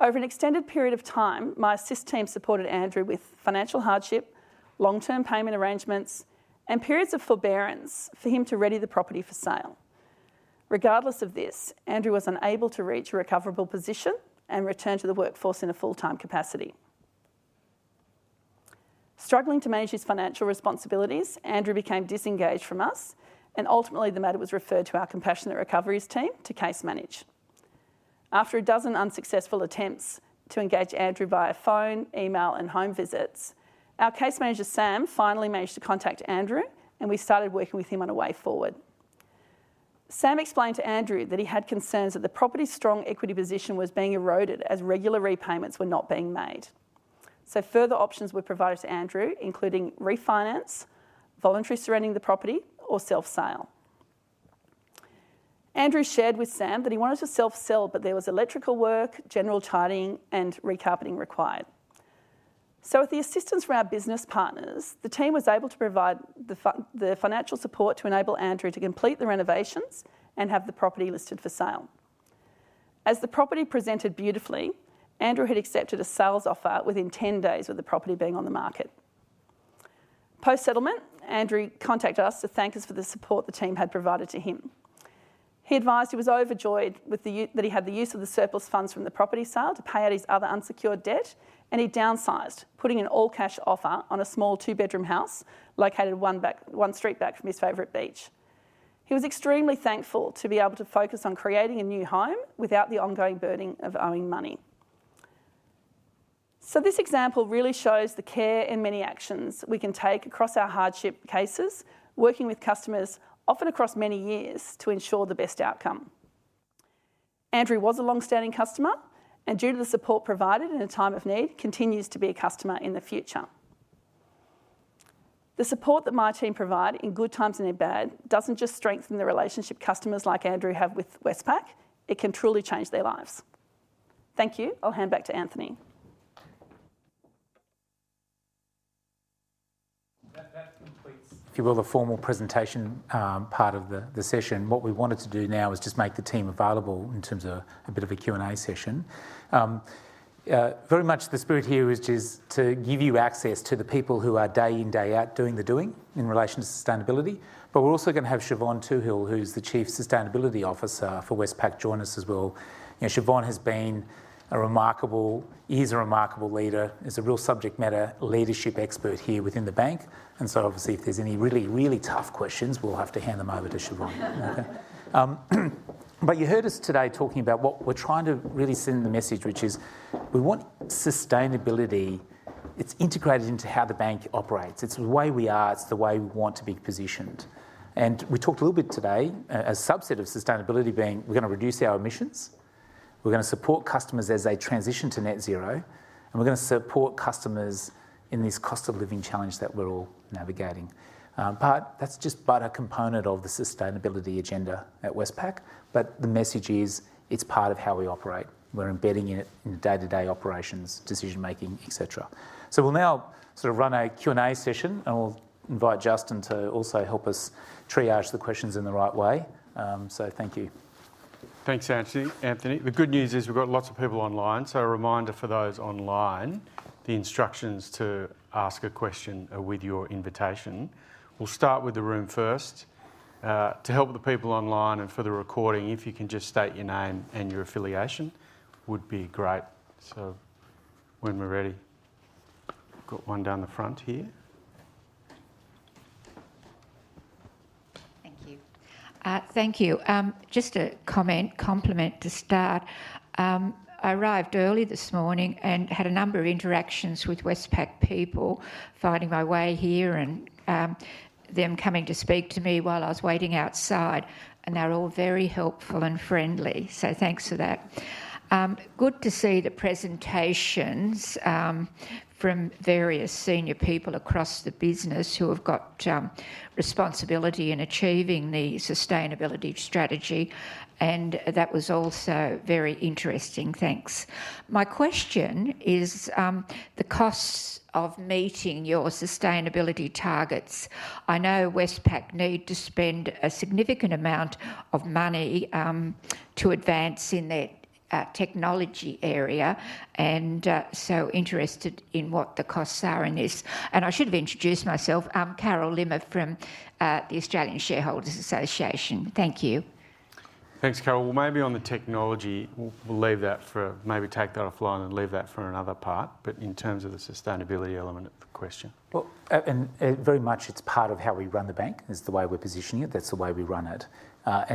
Over an extended period of time, my assist team supported Andrew with financial hardship, long-term payment arrangements, and periods of forbearance for him to ready the property for sale. Regardless of this, Andrew was unable to reach a recoverable position and return to the workforce in a full-time capacity. Struggling to manage his financial responsibilities, Andrew became disengaged from us, and ultimately, the matter was referred to our Compassionate Recoveries team to case manage. After a dozen unsuccessful attempts to engage Andrew via phone, email, and home visits, our case manager, Sam, finally managed to contact Andrew, and we started working with him on a way forward. Sam explained to Andrew that he had concerns that the property's strong equity position was being eroded as regular repayments were not being made. Further options were provided to Andrew, including refinance, voluntary surrendering the property, or self-sale. Andrew shared with Sam that he wanted to self-sell, but there was electrical work, general tidying, and recarpeting required. With the assistance from our business partners, the team was able to provide the financial support to enable Andrew to complete the renovations and have the property listed for sale. As the property presented beautifully, Andrew had accepted a sales offer within 10 days of the property being on the market. Post-settlement, Andrew contacted us to thank us for the support the team had provided to him. He advised he was overjoyed with the that he had the use of the surplus funds from the property sale to pay out his other unsecured debt, and he downsized, putting an all-cash offer on a small two-bedroom house located one back, one street back from his favorite beach. He was extremely thankful to be able to focus on creating a new home without the ongoing burden of owing money. So this example really shows the care and many actions we can take across our hardship cases, working with customers, often across many years, to ensure the best outcome. Andrew was a long-standing customer, and due to the support provided in a time of need, continues to be a customer in the future. The support that my team provide in good times and in bad, doesn't just strengthen the relationship customers like Andrew have with Westpac, it can truly change their lives. Thank you. I'll hand back to Anthony. That completes, if you will, the formal presentation, part of the session. What we wanted to do now is just make the team available in terms of a bit of a Q&A session. Very much the spirit here is just to give you access to the people who are day in, day out, doing the doing in relation to sustainability. But we're also going to have Siobhan Toohill, who's the Chief Sustainability Officer for Westpac, join us as well. You know, Siobhan has been a remarkable... is a remarkable leader, is a real subject matter leadership expert here within the bank, and so obviously, if there's any really, really tough questions, we'll have to hand them over to Siobhan. But you heard us today talking about what we're trying to really send the message, which is, we want sustainability, it's integrated into how the bank operates. It's the way we are, it's the way we want to be positioned. And we talked a little bit today, a subset of sustainability being we're going to reduce our emissions, we're going to support customers as they transition to net zero, and we're going to support customers in this cost of living challenge that we're all navigating. But that's just a component of the sustainability agenda at Westpac, but the message is, it's part of how we operate. We're embedding it in day-to-day operations, decision-making, et cetera. So we'll now sort of run a Q&A session, and we'll invite Justin to also help us triage the questions in the right way. So thank you. Thanks, Anthony, Anthony. The good news is we've got lots of people online, so a reminder for those online, the instructions to ask a question are with your invitation. We'll start with the room first. To help the people online and for the recording, if you can just state your name and your affiliation, would be great. So when we're ready. We've got one down the front here. Thank you. Thank you. Just a comment, compliment to start. I arrived early this morning and had a number of interactions with Westpac people, finding my way here and them coming to speak to me while I was waiting outside, and they were all very helpful and friendly, so thanks for that. Good to see the presentations from various senior people across the business who have got responsibility in achieving the sustainability strategy, and that was also very interesting. Thanks. My question is the costs of meeting your sustainability targets. I know Westpac need to spend a significant amount of money to advance in the technology area, and so interested in what the costs are in this. I should have introduced myself. I'm Carol Limmer from the Australian Shareholders' Association. Thank you. Thanks, Carol. Well, maybe on the technology, we'll, we'll leave that for, maybe take that offline and leave that for another part. But in terms of the sustainability element of the question? Well, very much it's part of how we run the bank, it's the way we're positioning it. That's the way we run it.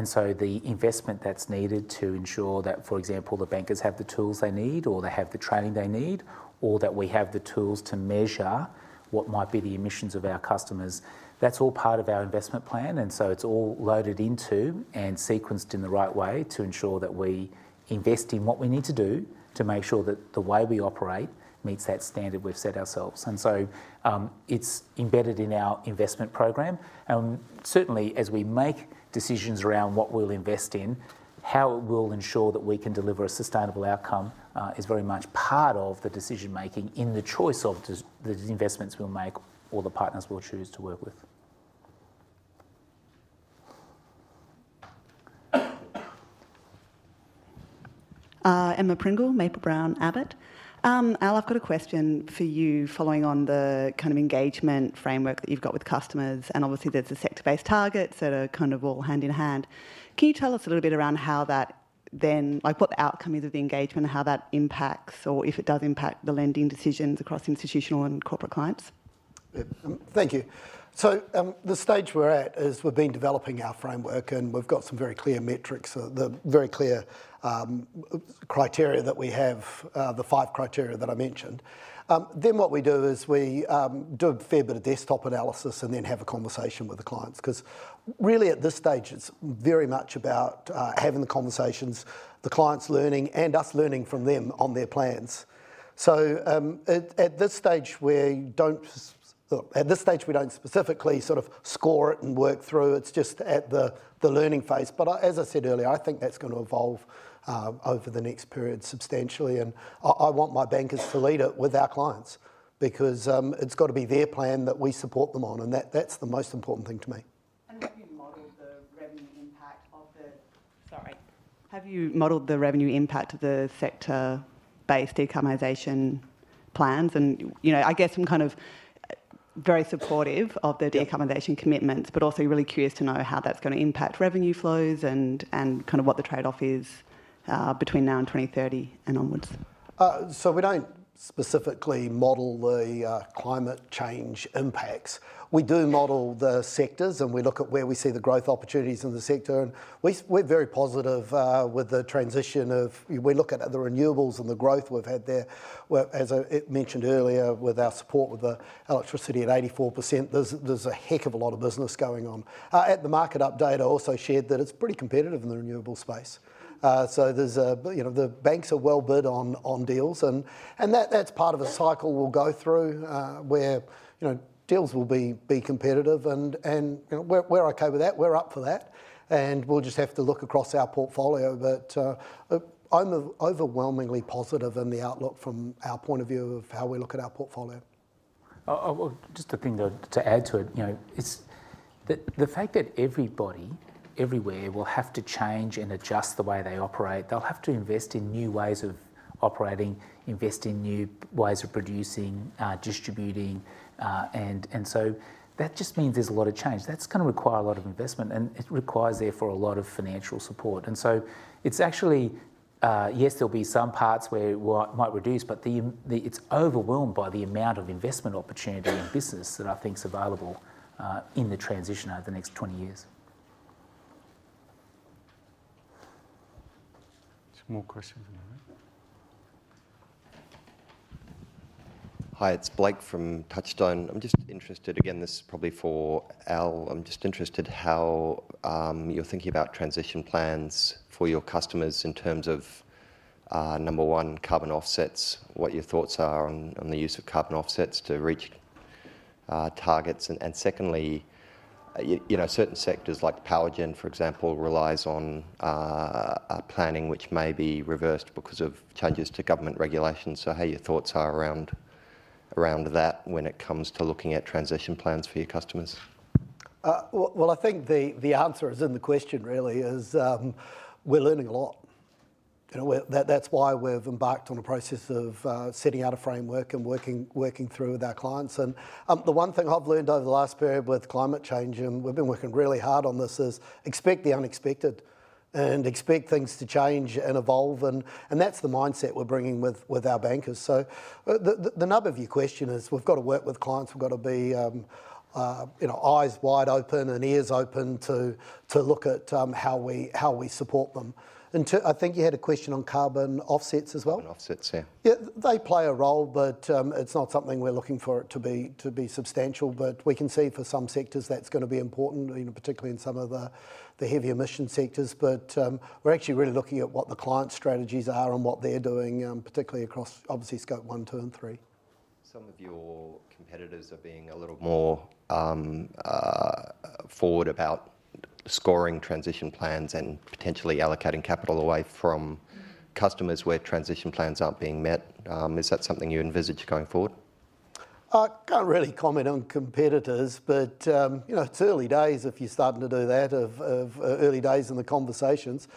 So the investment that's needed to ensure that, for example, the bankers have the tools they need, or they have the training they need, or that we have the tools to measure what might be the emissions of our customers, that's all part of our investment plan, and so it's all loaded into and sequenced in the right way to ensure that we invest in what we need to do, to make sure that the way we operate meets that standard we've set ourselves. So, it's embedded in our investment program. Certainly, as we make decisions around what we'll invest in, how we'll ensure that we can deliver a sustainable outcome, is very much part of the decision-making in the choice of the investments we'll make or the partners we'll choose to work with. Emma Pringle, Maple-Brown Abbott. Al, I've got a question for you, following on the kind of engagement framework that you've got with customers, and obviously, there's the sector-based targets that are kind of all hand in hand. Can you tell us a little bit around how that then... like, what the outcome is of the engagement, and how that impacts, or if it does impact the lending decisions across institutional and corporate clients? Yep. Thank you. So, the stage we're at is, we've been developing our framework, and we've got some very clear metrics, the very clear, criteria that we have, the five criteria that I mentioned. Then what we do is, we, do a fair bit of desktop analysis and then have a conversation with the clients, 'cause really, at this stage, it's very much about, having the conversations, the clients learning, and us learning from them on their plans. So, at, at this stage, we don't look, at this stage, we don't specifically sort of score it and work through, it's just at the, the learning phase. But, as I said earlier, I think that's going to evolve over the next period substantially, and I want my bankers to lead it with our clients, because it's got to be their plan that we support them on, and that's the most important thing to me.... Sorry. Have you modeled the revenue impact of the sector-based decarbonization plans? And, you know, I guess I'm kind of very supportive of the decarbonization commitments, but also really curious to know how that's going to impact revenue flows and, and kind of what the trade-off is, between now and 2030 and onwards. So we don't specifically model the climate change impacts. We do model the sectors, and we look at where we see the growth opportunities in the sector, and we're very positive with the transition. We look at the renewables and the growth we've had there, where, as I mentioned earlier, with our support with the electricity at 84%, there's a heck of a lot of business going on. At the market update, I also shared that it's pretty competitive in the renewables space. So there's a... You know, the banks are well bid on deals, and that that's part of a cycle we'll go through, where you know, deals will be competitive, and you know, we're okay with that. We're up for that, and we'll just have to look across our portfolio. But, I'm overwhelmingly positive in the outlook from our point of view of how we look at our portfolio. Well, just a thing to add to it. You know, it's the fact that everybody everywhere will have to change and adjust the way they operate. They'll have to invest in new ways of operating, invest in new ways of producing, distributing, and so that just means there's a lot of change. That's going to require a lot of investment, and it requires therefore a lot of financial support. And so it's actually... Yes, there'll be some parts where it might reduce, but it's overwhelmed by the amount of investment opportunity and business that I think is available in the transition over the next 20 years. There's more questions in the room. Hi, it's Blake from Touchstone. I'm just interested, again, this is probably for Al. I'm just interested how you're thinking about transition plans for your customers in terms of, number one, carbon offsets, what your thoughts are on, on the use of carbon offsets to reach, targets. And, and secondly, you, you know, certain sectors, like Powergen, for example, relies on, a planning which may be reversed because of changes to government regulations. So how your thoughts are around, around that when it comes to looking at transition plans for your customers? Well, I think the answer is in the question really. We're learning a lot. You know, that's why we've embarked on a process of setting out a framework and working through with our clients. And the one thing I've learned over the last period with climate change, and we've been working really hard on this, is expect the unexpected and expect things to change and evolve, and that's the mindset we're bringing with our bankers. So the nub of your question is we've got to work with clients. We've got to be, you know, eyes wide open and ears open to look at how we support them. And I think you had a question on carbon offsets as well? Offset, yeah. Yeah, they play a role, but it's not something we're looking for it to be substantial. But we can see for some sectors that's going to be important, you know, particularly in some of the heavy emission sectors. But we're actually really looking at what the client's strategies are and what they're doing, particularly across obviously scope one, two, and three. Some of your competitors are being a little more forward about scoring transition plans and potentially allocating capital away from customers where transition plans aren't being met. Is that something you envisage going forward? I can't really comment on competitors, but you know, it's early days if you're starting to do that, early days in the conversations.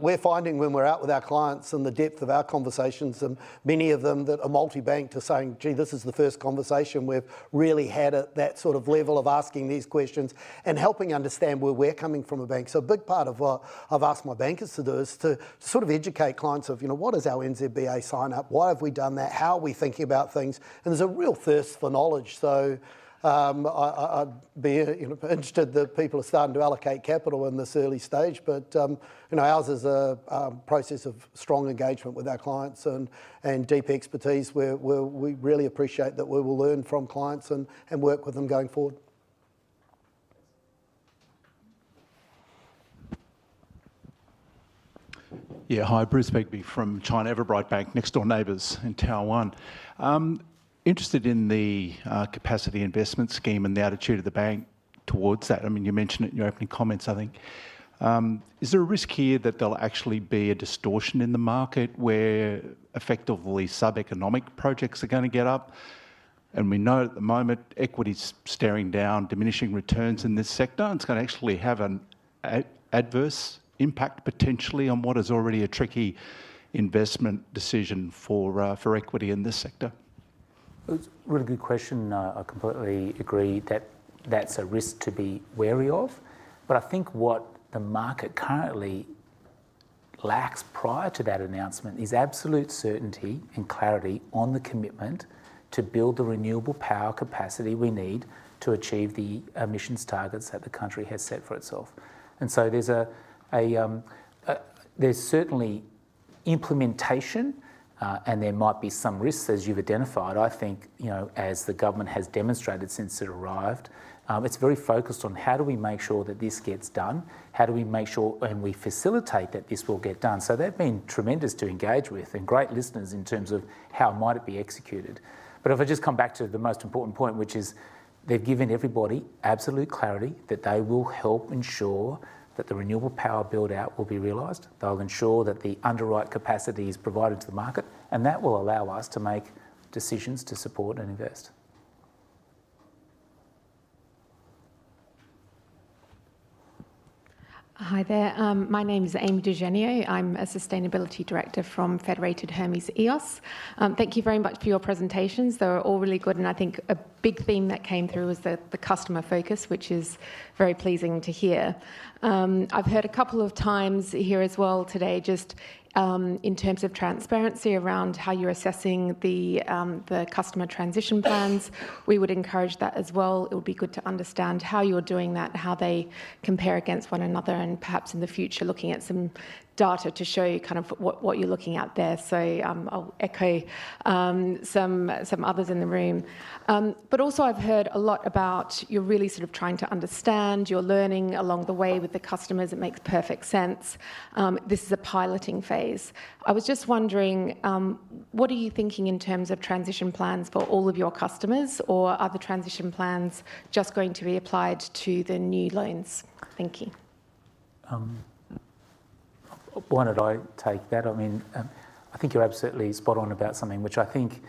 We're finding when we're out with our clients and the depth of our conversations, and many of them that are multi-banked, are saying, "Gee, this is the first conversation we've really had at that sort of level of asking these questions," and helping understand where we're coming from a bank. So a big part of what I've asked my bankers to do is to sort of educate clients of, you know, what is our NZBA sign up, why have we done that, how are we thinking about things? And there's a real thirst for knowledge. So, I'd be, you know, interested that people are starting to allocate capital in this early stage. You know, ours is a process of strong engagement with our clients and deep expertise, where we really appreciate that we will learn from clients and work with them going forward. Yeah. Hi, Bruce Rigby from China Everbright Bank, next door neighbors in Tower One. I'm interested in the capacity investment scheme and the attitude of the bank towards that. I mean, you mentioned it in your opening comments, I think. Is there a risk here that there'll actually be a distortion in the market where effectively sub-economic projects are going to get up? And we know at the moment, equity's staring down, diminishing returns in this sector, and it's going to actually have an adverse impact, potentially, on what is already a tricky investment decision for equity in this sector. It's a really good question. I completely agree that that's a risk to be wary of, but I think what the market currently lacks prior to that announcement is absolute certainty and clarity on the commitment to build the renewable power capacity we need to achieve the emissions targets that the country has set for itself. And so there's certainly implementation, and there might be some risks, as you've identified. I think, you know, as the government has demonstrated since it arrived, it's very focused on: How do we make sure that this gets done? How do we make sure and we facilitate that this will get done? So they've been tremendous to engage with and great listeners in terms of how might it be executed. But if I just come back to the most important point, which is they've given everybody absolute clarity that they will help ensure that the renewable power build-out will be realized. They'll ensure that the underwrite capacity is provided to the market, and that will allow us to make decisions to support and invest.... Hi there. My name is Amy D'Eugenio. I'm a sustainability director from Federated Hermes EOS. Thank you very much for your presentations. They were all really good, and I think a big theme that came through was the customer focus, which is very pleasing to hear. I've heard a couple of times here as well today, just in terms of transparency around how you're assessing the customer transition plans, we would encourage that as well. It would be good to understand how you're doing that, how they compare against one another, and perhaps in the future, looking at some data to show kind of what you're looking at there. So, I'll echo some others in the room. But also I've heard a lot about you're really sort of trying to understand, you're learning along the way with the customers. It makes perfect sense. This is a piloting phase. I was just wondering, what are you thinking in terms of transition plans for all of your customers, or are the transition plans just going to be applied to the new loans? Thank you. Why don't I take that? I mean, I think you're absolutely spot on about something, which I think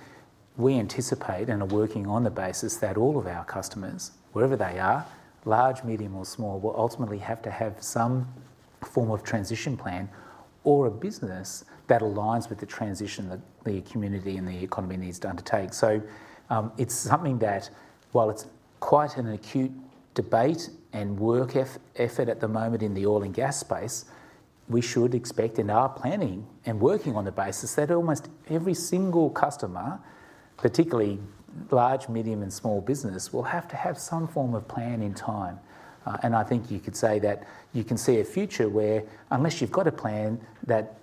we anticipate and are working on the basis that all of our customers, wherever they are, large, medium, or small, will ultimately have to have some form of transition plan or a business that aligns with the transition that the community and the economy needs to undertake. So, it's something that, while it's quite an acute debate and work effort at the moment in the oil and gas space, we should expect in our planning and working on the basis that almost every single customer, particularly large, medium, and small business, will have to have some form of plan in time. And I think you could say that you can see a future where, unless you've got a plan that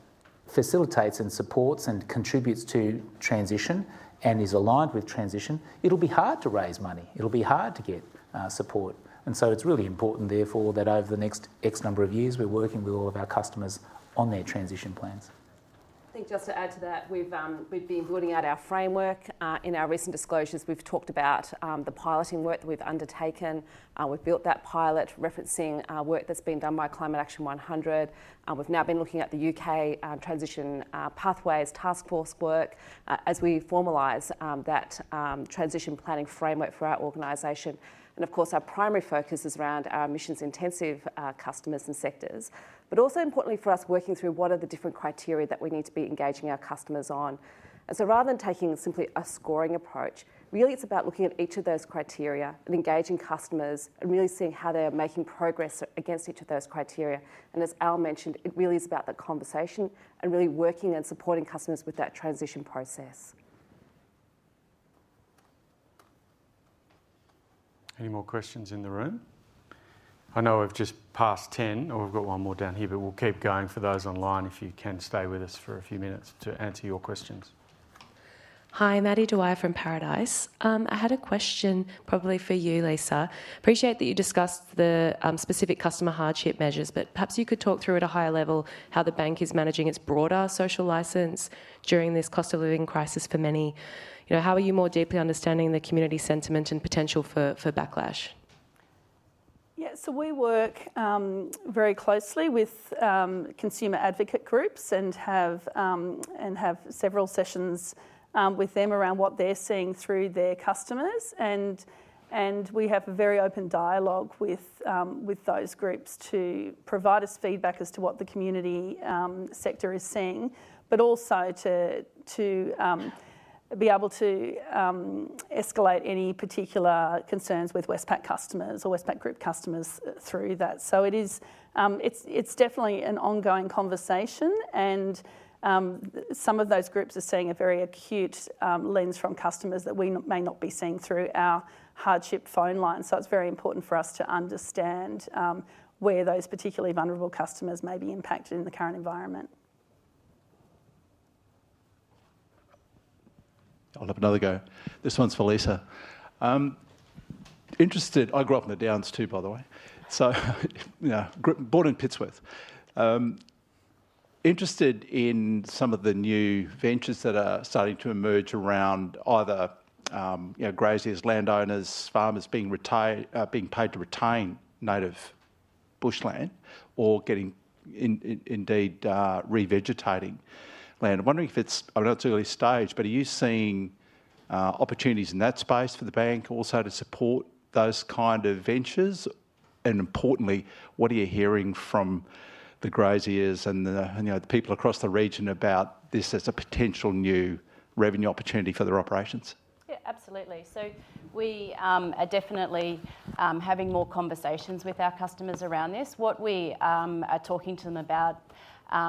facilitates and supports and contributes to transition and is aligned with transition, it'll be hard to raise money. It'll be hard to get support. And so it's really important, therefore, that over the next X number of years, we're working with all of our customers on their transition plans. I think just to add to that, we've we've been building out our framework. In our recent disclosures, we've talked about the piloting work that we've undertaken. We've built that pilot, referencing work that's been done by Climate Action 100, and we've now been looking at the U.K. Transition Pathways Taskforce work, as we formalize that transition planning framework for our organization. And of course, our primary focus is around our emissions intensive customers and sectors, but also importantly for us, working through what are the different criteria that we need to be engaging our customers on. And so rather than taking simply a scoring approach, really, it's about looking at each of those criteria and engaging customers and really seeing how they're making progress against each of those criteria. As l mentioned, it really is about the conversation and really working and supporting customers with that transition process. Any more questions in the room? I know we've just passed 10. Oh, we've got one more down here, but we'll keep going for those online, if you can stay with us for a few minutes to answer your questions. Hi, Maddy Dwyer from Paradice. I had a question probably for you, Lisa. Appreciate that you discussed the specific customer hardship measures, but perhaps you could talk through at a higher level how the bank is managing its broader social license during this cost of living crisis for many. You know, how are you more deeply understanding the community sentiment and potential for backlash? Yeah, so we work very closely with consumer advocate groups and have several sessions with them around what they're seeing through their customers. And we have a very open dialogue with those groups to provide us feedback as to what the community sector is seeing, but also to be able to escalate any particular concerns with Westpac customers or Westpac Group customers through that. So it is, it's definitely an ongoing conversation, and some of those groups are seeing a very acute lens from customers that we may not be seeing through our hardship phone line. So it's very important for us to understand where those particularly vulnerable customers may be impacted in the current environment. I'll have another go. This one's for Lisa. Interested... I grew up in the Downs, too, by the way, so you know, born in Pittsworth. Interested in some of the new ventures that are starting to emerge around either, you know, graziers, landowners, farmers being paid to retain native bushland or getting, indeed, revegetating land. I'm wondering if it's—I know it's early stage, but are you seeing opportunities in that space for the bank also to support those kind of ventures? And importantly, what are you hearing from the graziers and the, you know, the people across the region about this as a potential new revenue opportunity for their operations? Yeah, absolutely. So we are definitely having more conversations with our customers around this. What we are talking to them about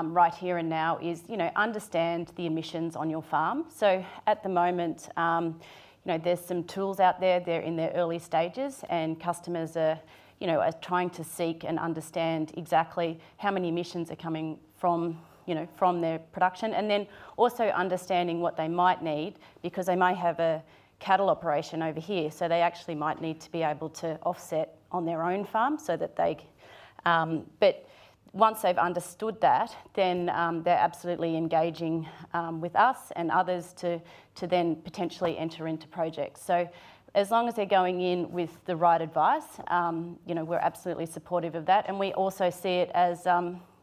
right here and now is, you know, understand the emissions on your farm. So at the moment, you know, there's some tools out there. They're in their early stages, and customers are, you know, are trying to seek and understand exactly how many emissions are coming from, you know, from their production, and then also understanding what they might need, because they may have a cattle operation over here, so they actually might need to be able to offset on their own farm so that they... But once they've understood that, then they're absolutely engaging with us and others to, to then potentially enter into projects. So as long as they're going in with the right advice, you know, we're absolutely supportive of that. And we also see it as,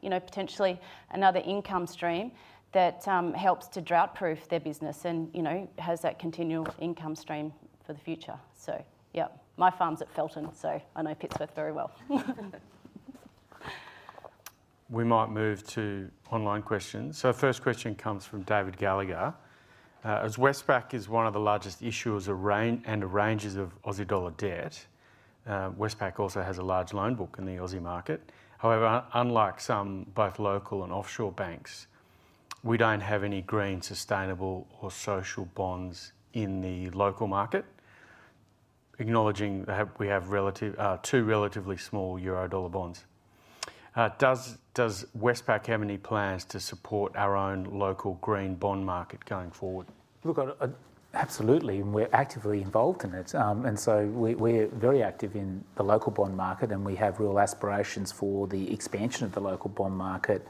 you know, potentially another income stream that helps to drought-proof their business and, you know, has that continual income stream for the future. So yeah, my farm's at Felton, so I know Pittsworth very well. ... we might move to online questions. So first question comes from David Gallagher. "As Westpac is one of the largest issuers and arrangers of Aussie dollar debt, Westpac also has a large loan book in the Aussie market. However, unlike some both local and offshore banks, we don't have any green, sustainable or social bonds in the local market. Acknowledging that, we have relatively two relatively small Eurodollar bonds. Does Westpac have any plans to support our own local green bond market going forward? Look, absolutely, and we're actively involved in it. And so we're very active in the local bond market, and we have real aspirations for the expansion of the local bond market,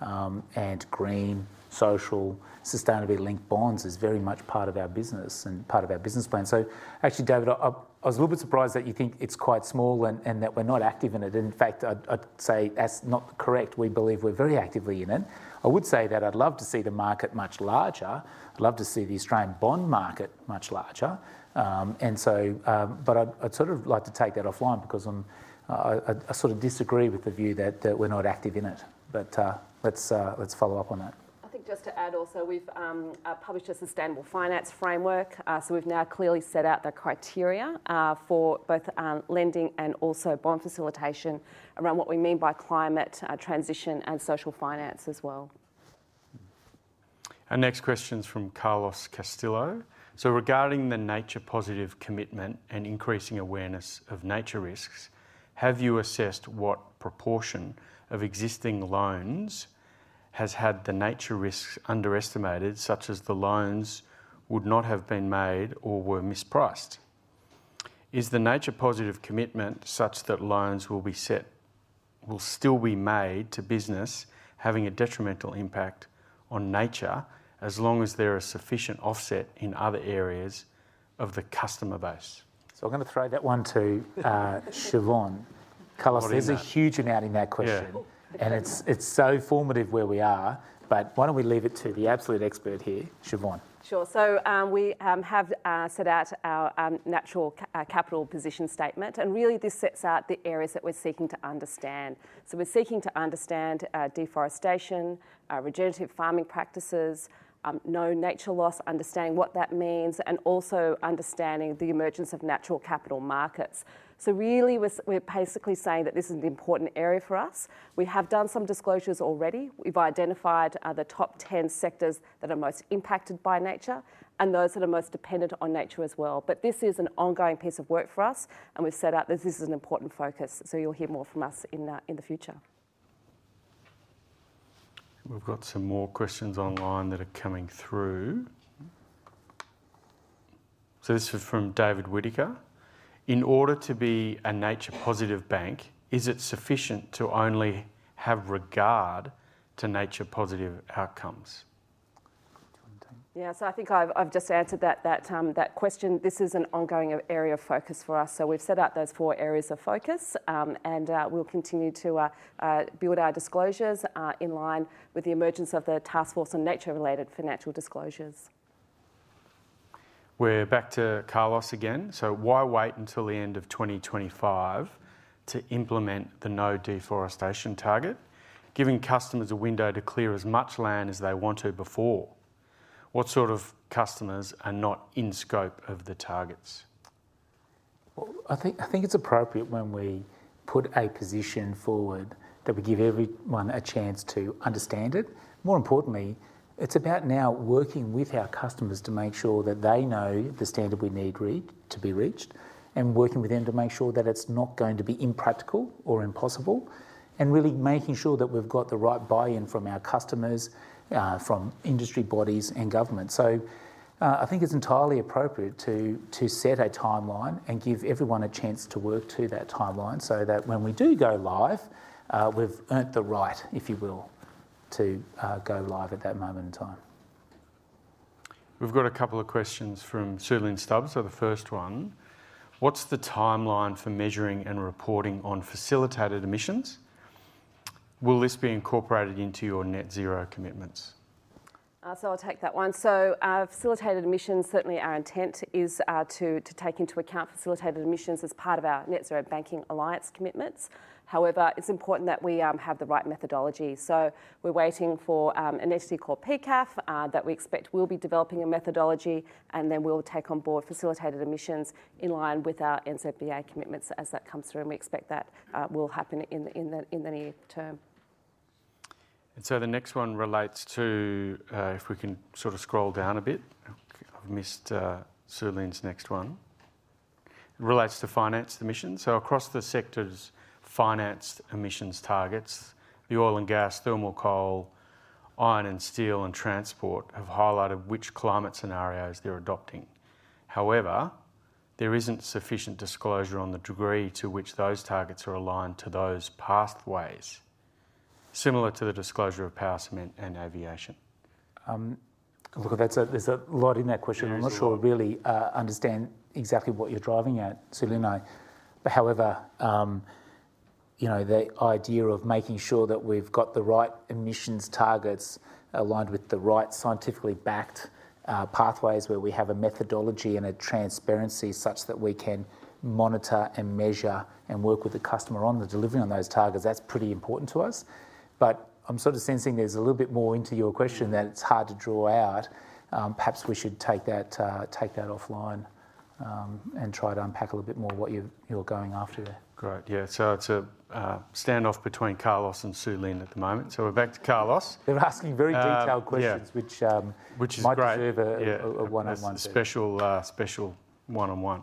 and green, social, sustainability-linked bonds is very much part of our business and part of our business plan. So actually, David, I was a little bit surprised that you think it's quite small and that we're not active in it. In fact, I'd say that's not correct. We believe we're very actively in it. I would say that I'd love to see the market much larger. I'd love to see the Australian bond market much larger. And so, but I'd sort of like to take that offline because I sort of disagree with the view that we're not active in it. But, let's follow up on that. I think just to add also, we've published a sustainable finance framework. So we've now clearly set out the criteria for both lending and also bond facilitation around what we mean by climate transition and social finance as well. Our next question's from Carlos Castillo: "So regarding the nature positive commitment and increasing awareness of nature risks, have you assessed what proportion of existing loans has had the nature risks underestimated, such as the loans would not have been made or were mispriced? Is the nature positive commitment such that loans will still be made to business having a detrimental impact on nature, as long as there are sufficient offset in other areas of the customer base? So I'm going to throw that one to Siobhan. Carlos, there's a huge amount in that question. Yeah. And it's so formative where we are, but why don't we leave it to the absolute expert here, Siobhan? Sure. So, we have set out our natural capital position statement, and really, this sets out the areas that we're seeking to understand. So we're seeking to understand deforestation, regenerative farming practices, known nature loss, understanding what that means, and also understanding the emergence of natural capital markets. So really, we're basically saying that this is an important area for us. We have done some disclosures already. We've identified the top 10 sectors that are most impacted by nature and those that are most dependent on nature as well. But this is an ongoing piece of work for us, and we've set out that this is an important focus, so you'll hear more from us in the future. We've got some more questions online that are coming through. So this is from David Whittaker: "In order to be a nature positive bank, is it sufficient to only have regard to nature positive outcomes? Yeah, so I think I've just answered that question. This is an ongoing area of focus for us. So we've set out those four areas of focus, and build our disclosures, in line with the emergence of the Taskforce on Nature-related Financial Disclosures. We're back to Carlos again: "So why wait until the end of 2025 to implement the no deforestation target, giving customers a window to clear as much land as they want to before? What sort of customers are not in scope of the targets? Well, I think it's appropriate when we put a position forward that we give everyone a chance to understand it. More importantly, it's about now working with our customers to make sure that they know the standard we need reached, to be reached, and working with them to make sure that it's not going to be impractical or impossible, and really making sure that we've got the right buy-in from our customers, from industry bodies and government. So, I think it's entirely appropriate to set a timeline and give everyone a chance to work to that timeline, so that when we do go live, we've earned the right, if you will, to go live at that moment in time. We've got a couple of questions from Suelyn Stubbs. So the first one: "What's the timeline for measuring and reporting on facilitated emissions? Will this be incorporated into your net zero commitments? So I'll take that one. So, facilitated emissions, certainly our intent is to take into account facilitated emissions as part of our Net Zero Banking Alliance commitments. However, it's important that we have the right methodology. So we're waiting for an entity called PCAF that we expect will be developing a methodology, and then we'll take on board facilitated emissions in line with our NZBA commitments as that comes through, and we expect that will happen in the near term. The next one relates to, if we can sort of scroll down a bit. I've missed Suelyn's next one. It relates to financed emissions. Across the sectors, financed emissions targets, the oil and gas, thermal coal, iron and steel, and transport, have highlighted which climate scenarios they're adopting. However, there isn't sufficient disclosure on the degree to which those targets are aligned to those pathways, similar to the disclosure of power, cement, and aviation. Look, there's a lot in that question. Yeah. I'm not sure I really understand exactly what you're driving at, Suelyn, but however, you know, the idea of making sure that we've got the right emissions targets aligned with the right scientifically backed pathways, where we have a methodology and a transparency such that we can monitor and measure and work with the customer on the delivery on those targets, that's pretty important to us. But I'm sort of sensing there's a little bit more into your question that it's hard to draw out. Perhaps we should take that offline and try to unpack a little bit more what you're going after there. Great. Yeah, so it's a standoff between Carlos and Sue Lin at the moment. So we're back to Carlos. They're asking very detailed questions- Uh, yeah... which, Which is great. might deserve a Yeah -a one-on-one. A special, special one-on-one.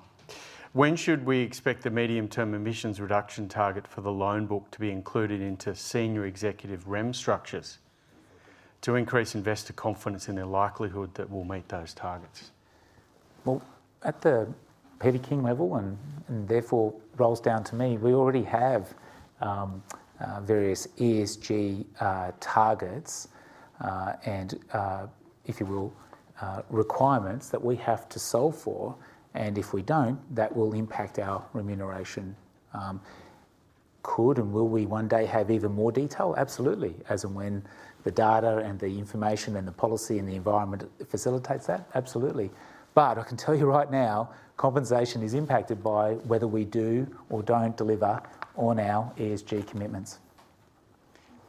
When should we expect the medium-term emissions reduction target for the loan book to be included into senior executive REM structures to increase investor confidence in their likelihood that we'll meet those targets? Well, at the Peter King level and therefore rolls down to me, we already have various ESG targets and, if you will, requirements that we have to solve for, and if we don't, that will impact our remuneration. Could and will we one day have even more detail? Absolutely. As and when the data and the information and the policy and the environment facilitates that, absolutely. But I can tell you right now, compensation is impacted by whether we do or don't deliver on our ESG commitments.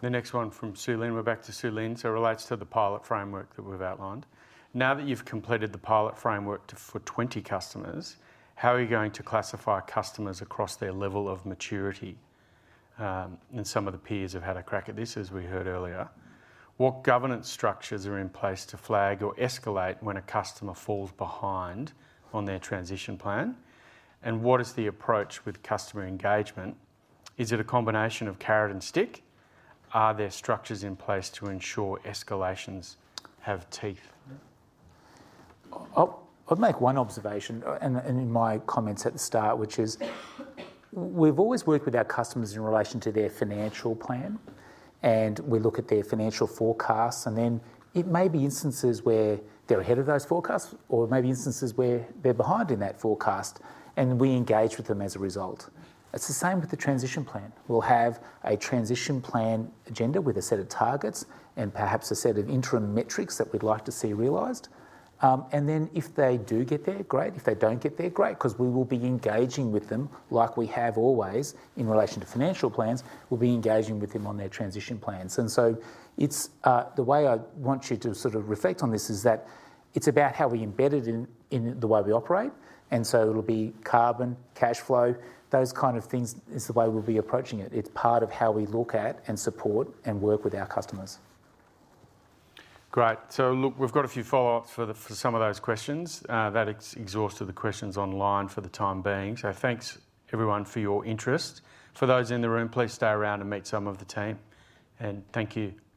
The next one from Sue Lin. We're back to Sue Lin, so it relates to the pilot framework that we've outlined. Now that you've completed the pilot framework to, for 20 customers, how are you going to classify customers across their level of maturity? And some of the peers have had a crack at this, as we heard earlier. What governance structures are in place to flag or escalate when a customer falls behind on their transition plan? And what is the approach with customer engagement? Is it a combination of carrot and stick? Are there structures in place to ensure escalations have teeth? I'll make one observation, and in my comments at the start, which is, we've always worked with our customers in relation to their financial plan, and we look at their financial forecasts, and then it may be instances where they're ahead of those forecasts, or it may be instances where they're behind in that forecast, and we engage with them as a result. It's the same with the transition plan. We'll have a transition plan agenda with a set of targets and perhaps a set of interim metrics that we'd like to see realised. And then if they do get there, great. If they don't get there, great, 'cause we will be engaging with them like we have always, in relation to financial plans, we'll be engaging with them on their transition plans. So it's the way I want you to sort of reflect on this is that it's about how we embed it in the way we operate, and so it'll be carbon, cash flow, those kind of things is the way we'll be approaching it. It's part of how we look at and support and work with our customers. Great. So look, we've got a few follow-ups for some of those questions. That exhausts the questions online for the time being. So thanks everyone for your interest. For those in the room, please stay around and meet some of the team, and thank you.